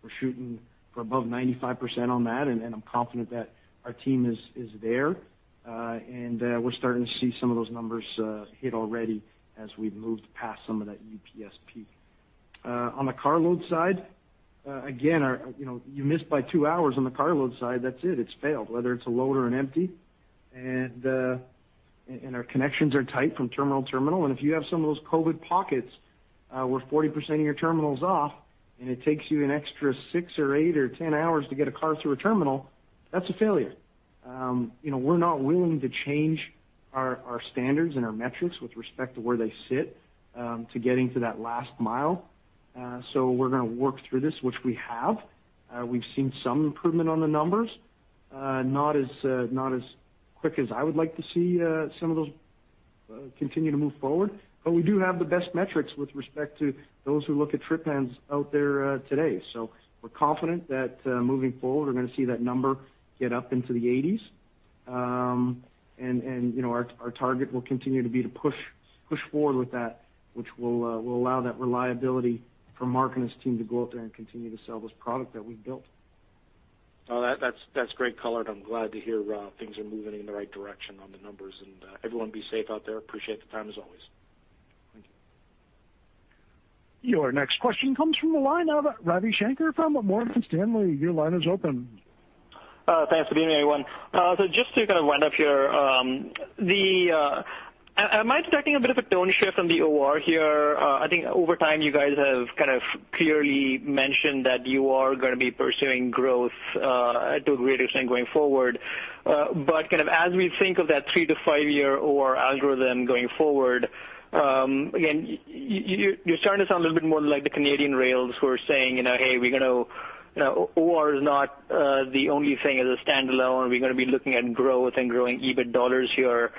We're shooting for above 95% on that, and I'm confident that our team is there. We're starting to see some of those numbers hit already as we've moved past some of that UPS peak. On the car load side, again, you miss by two hours on the car load side, that's it. It's failed, whether it's a load or an empty. Our connections are tight from terminal to terminal, and if you have some of those COVID pockets, where 40% of your terminal is off, and it takes you an extra six or eight or 10 hours to get a car through a terminal, that's a failure. We're not willing to change our standards and our metrics with respect to where they sit to getting to that last mile. We're going to work through this, which we have. We've seen some improvement on the numbers. Not as quick as I would like to see some of those continue to move forward. We do have the best metrics with respect to those who look at trip plans out there today. We're confident that moving forward, we're going to see that number get up into the 1980s. Our target will continue to be to push forward with that, which will allow that reliability for Mark and his team to go out there and continue to sell this product that we built. That's great color, and I'm glad to hear things are moving in the right direction on the numbers, and everyone be safe out there. Appreciate the time, as always. Thank you. Your next question comes from the line of Ravi Shanker from Morgan Stanley. Your line is open. Thanks for being here, everyone. Just to kind of wind up here, am I expecting a bit of a tone shift on the OR here? I think over time you guys have kind of clearly mentioned that you are going to be pursuing growth to a greater extent going forward. As we think of that three to five year OR algorithm going forward, again, you're starting to sound a little bit more like the Canadian rails who are saying, "Hey, OR is not the only thing as a standalone." We're going to be looking at growth and growing EBIT dollars here.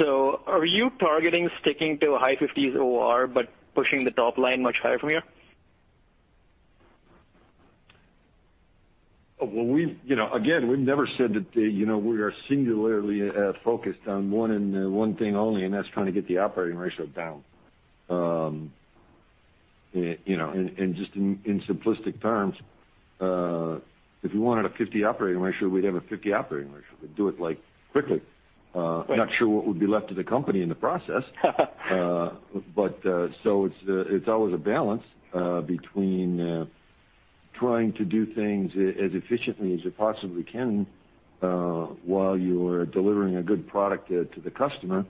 Are you targeting sticking to a high 1950s OR but pushing the top line much higher from here? Well, again, we've never said that we are singularly focused on one thing only, that's trying to get the operating ratio down. Just in simplistic terms, if we wanted a 50 operating ratio, we'd have a 50 operating ratio. We'd do it quickly. Not sure what would be left of the company in the process. It's always a balance between trying to do things as efficiently as you possibly can while you're delivering a good product to the customer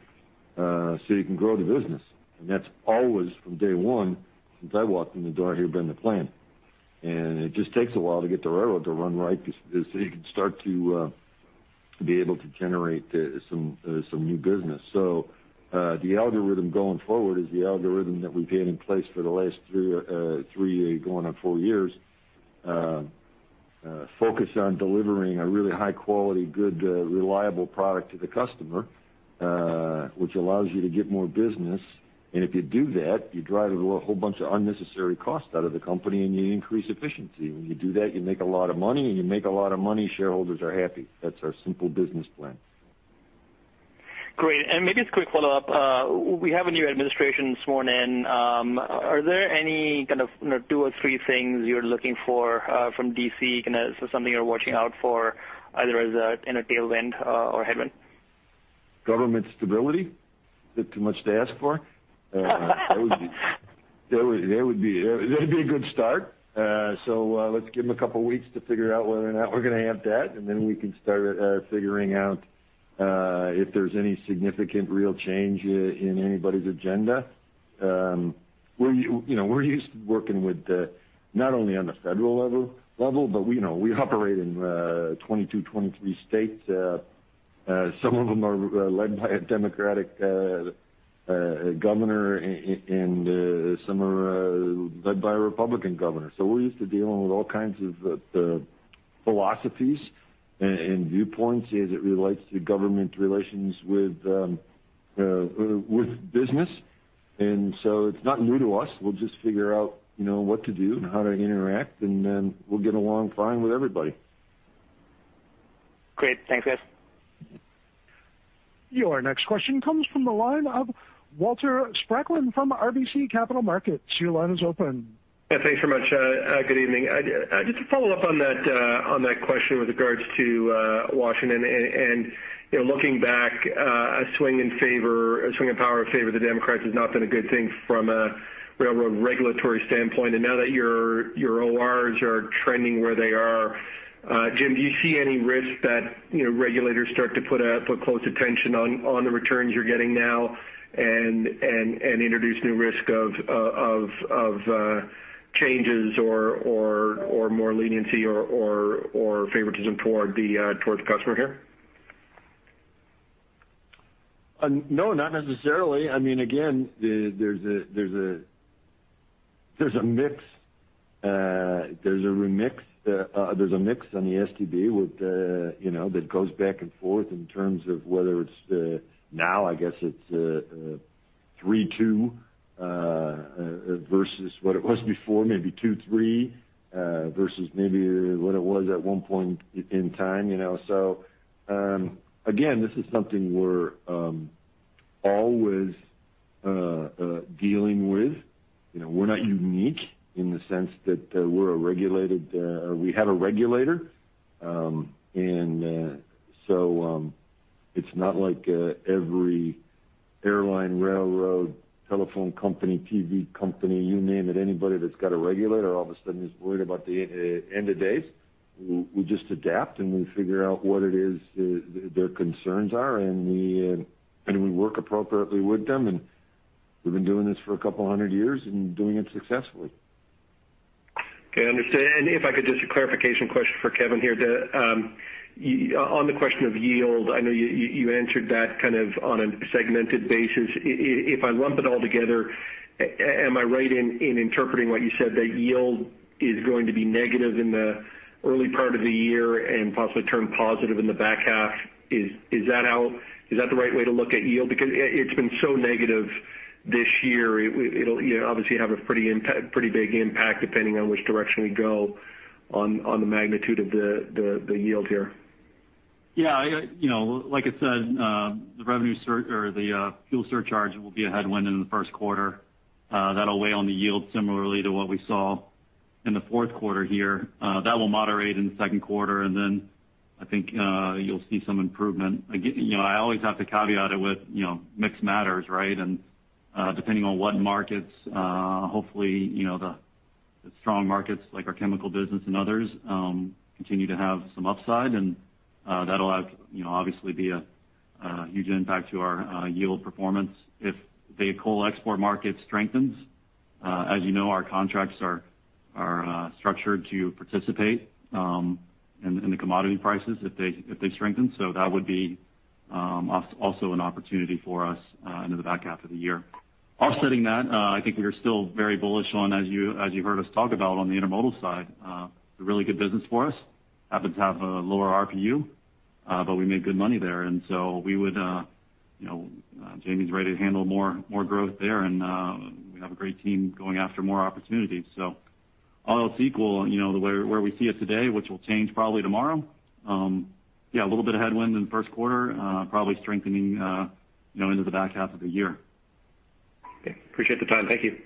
so you can grow the business. That's always, from day one, since I walked in the door here, been the plan. It just takes a while to get the railroad to run right so you can start to be able to generate some new business. The algorithm going forward is the algorithm that we've had in place for the last three, going on four years, focused on delivering a really high quality, good, reliable product to the customer which allows you to get more business. If you do that, you drive a whole bunch of unnecessary costs out of the company and you increase efficiency. When you do that, you make a lot of money. When you make a lot of money, shareholders are happy. That's our simple business plan. Great. Maybe just a quick follow-up. We have a new administration sworn in. Are there any two or three things you're looking for from D.C., something you're watching out for, either as in a tailwind or a headwind? Government stability. Is that too much to ask for? That would be a good start. Let's give them a couple of weeks to figure out whether or not we're going to have that, and then we can start figuring out if there's any significant real change in anybody's agenda. We're used to working with, not only on the federal level, but we operate in 22, 23 states. Some of them are led by a Democratic governor and some are led by a Republican governor. We're used to dealing with all kinds of philosophies and viewpoints as it relates to government relations with business. It's not new to us. We'll just figure out what to do and how to interact, and then we'll get along fine with everybody. Great. Thanks, guys. Your next question comes from the line of Walter Spracklin from RBC Capital Markets. Your line is open. Yeah, thanks so much. Good evening. Just to follow up on that question with regards to Washington and looking back, a swing in power in favor of the Democrats has not been a good thing from a railroad regulatory standpoint. Now that your ORs are trending where they are, Jim, do you see any risk that regulators start to put close attention on the returns you're getting now and introduce new risk of changes or more leniency or favoritism towards customer here? No, not necessarily. There's a mix on the STB that goes back and forth in terms of whether it's now, I guess it's 3-2 versus what it was before, maybe 2-3 versus maybe what it was at one point in time. This is something we're always dealing with. We're not unique in the sense that we have a regulator. It's not like every airline, railroad, telephone company, TV company, you name it, anybody that's got a regulator all of a sudden is worried about the end of days. We just adapt, and we figure out what it is their concerns are, and we work appropriately with them, and we've been doing this for a couple of hundred years and doing it successfully. Okay, understand. If I could, just a clarification question for Kevin here. On the question of yield, I know you answered that on a segmented basis. If I lump it all together, am I right in interpreting what you said, that yield is going to be negative in the early part of the year and possibly turn positive in the back half? Is that the right way to look at yield? It's been so negative this year, it'll obviously have a pretty big impact depending on which direction we go on the magnitude of the yield here. Yeah. Like I said, the fuel surcharge will be a headwind in the first quarter. That'll weigh on the yield similarly to what we saw in the fourth quarter here. That will moderate in the second quarter, and then I think you'll see some improvement. I always have to caveat it with mix matters, right? Depending on what markets, hopefully, the strong markets like our chemical business and others continue to have some upside, and that'll obviously be a huge impact to our yield performance. If the coal export market strengthens, as you know, our contracts are structured to participate in the commodity prices if they strengthen. That would be also an opportunity for us into the back half of the year. Offsetting that, I think we are still very bullish on, as you heard us talk about on the intermodal side, it's a really good business for us, happens to have a lower RPU. We made good money there. Jamie's ready to handle more growth there, and we have a great team going after more opportunities. All else equal, where we see it today, which will change probably tomorrow. Yeah, a little bit of headwinds in the first quarter, probably strengthening into the back half of the year. Okay. Appreciate the time. Thank you.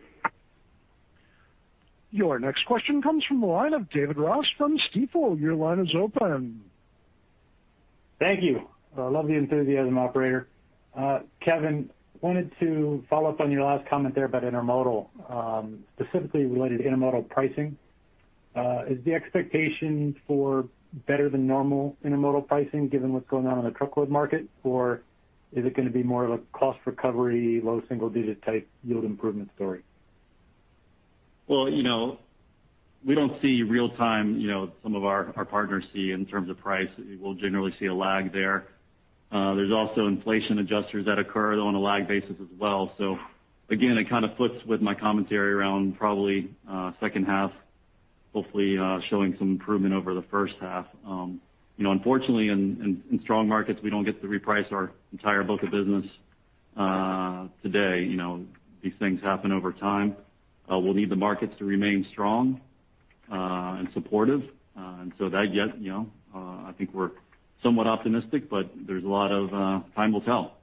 Your next question comes from the line of David Ross from Stifel. Your line is open. Thank you. I love the enthusiasm, operator. Kevin, I wanted to follow up on your last comment there about intermodal, specifically related to intermodal pricing. Is the expectation for better than normal intermodal pricing given what's going on in the truckload market, or is it going to be more of a cost recovery, low single-digit type yield improvement story? We don't see real-time, some of our partners see in terms of price. We'll generally see a lag there. There's also inflation adjusters that occur on a lag basis as well. Again, it kind of flips with my commentary around probably second half, hopefully showing some improvement over the first half. Unfortunately, in strong markets, we don't get to reprice our entire book of business today. These things happen over time. We'll need the markets to remain strong and supportive. That, I think we're somewhat optimistic, but there's a lot of time will tell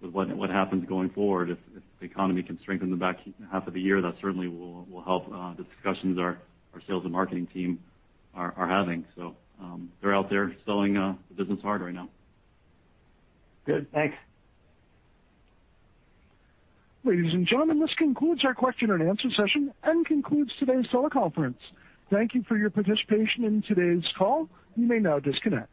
with what happens going forward. If the economy can strengthen the back half of the year, that certainly will help the discussions our sales and marketing team are having. They're out there selling the business hard right now. Good. Thanks. Ladies and gentlemen, this concludes our question and answer session and concludes today's teleconference. Thank you for your participation in today's call. You may now disconnect.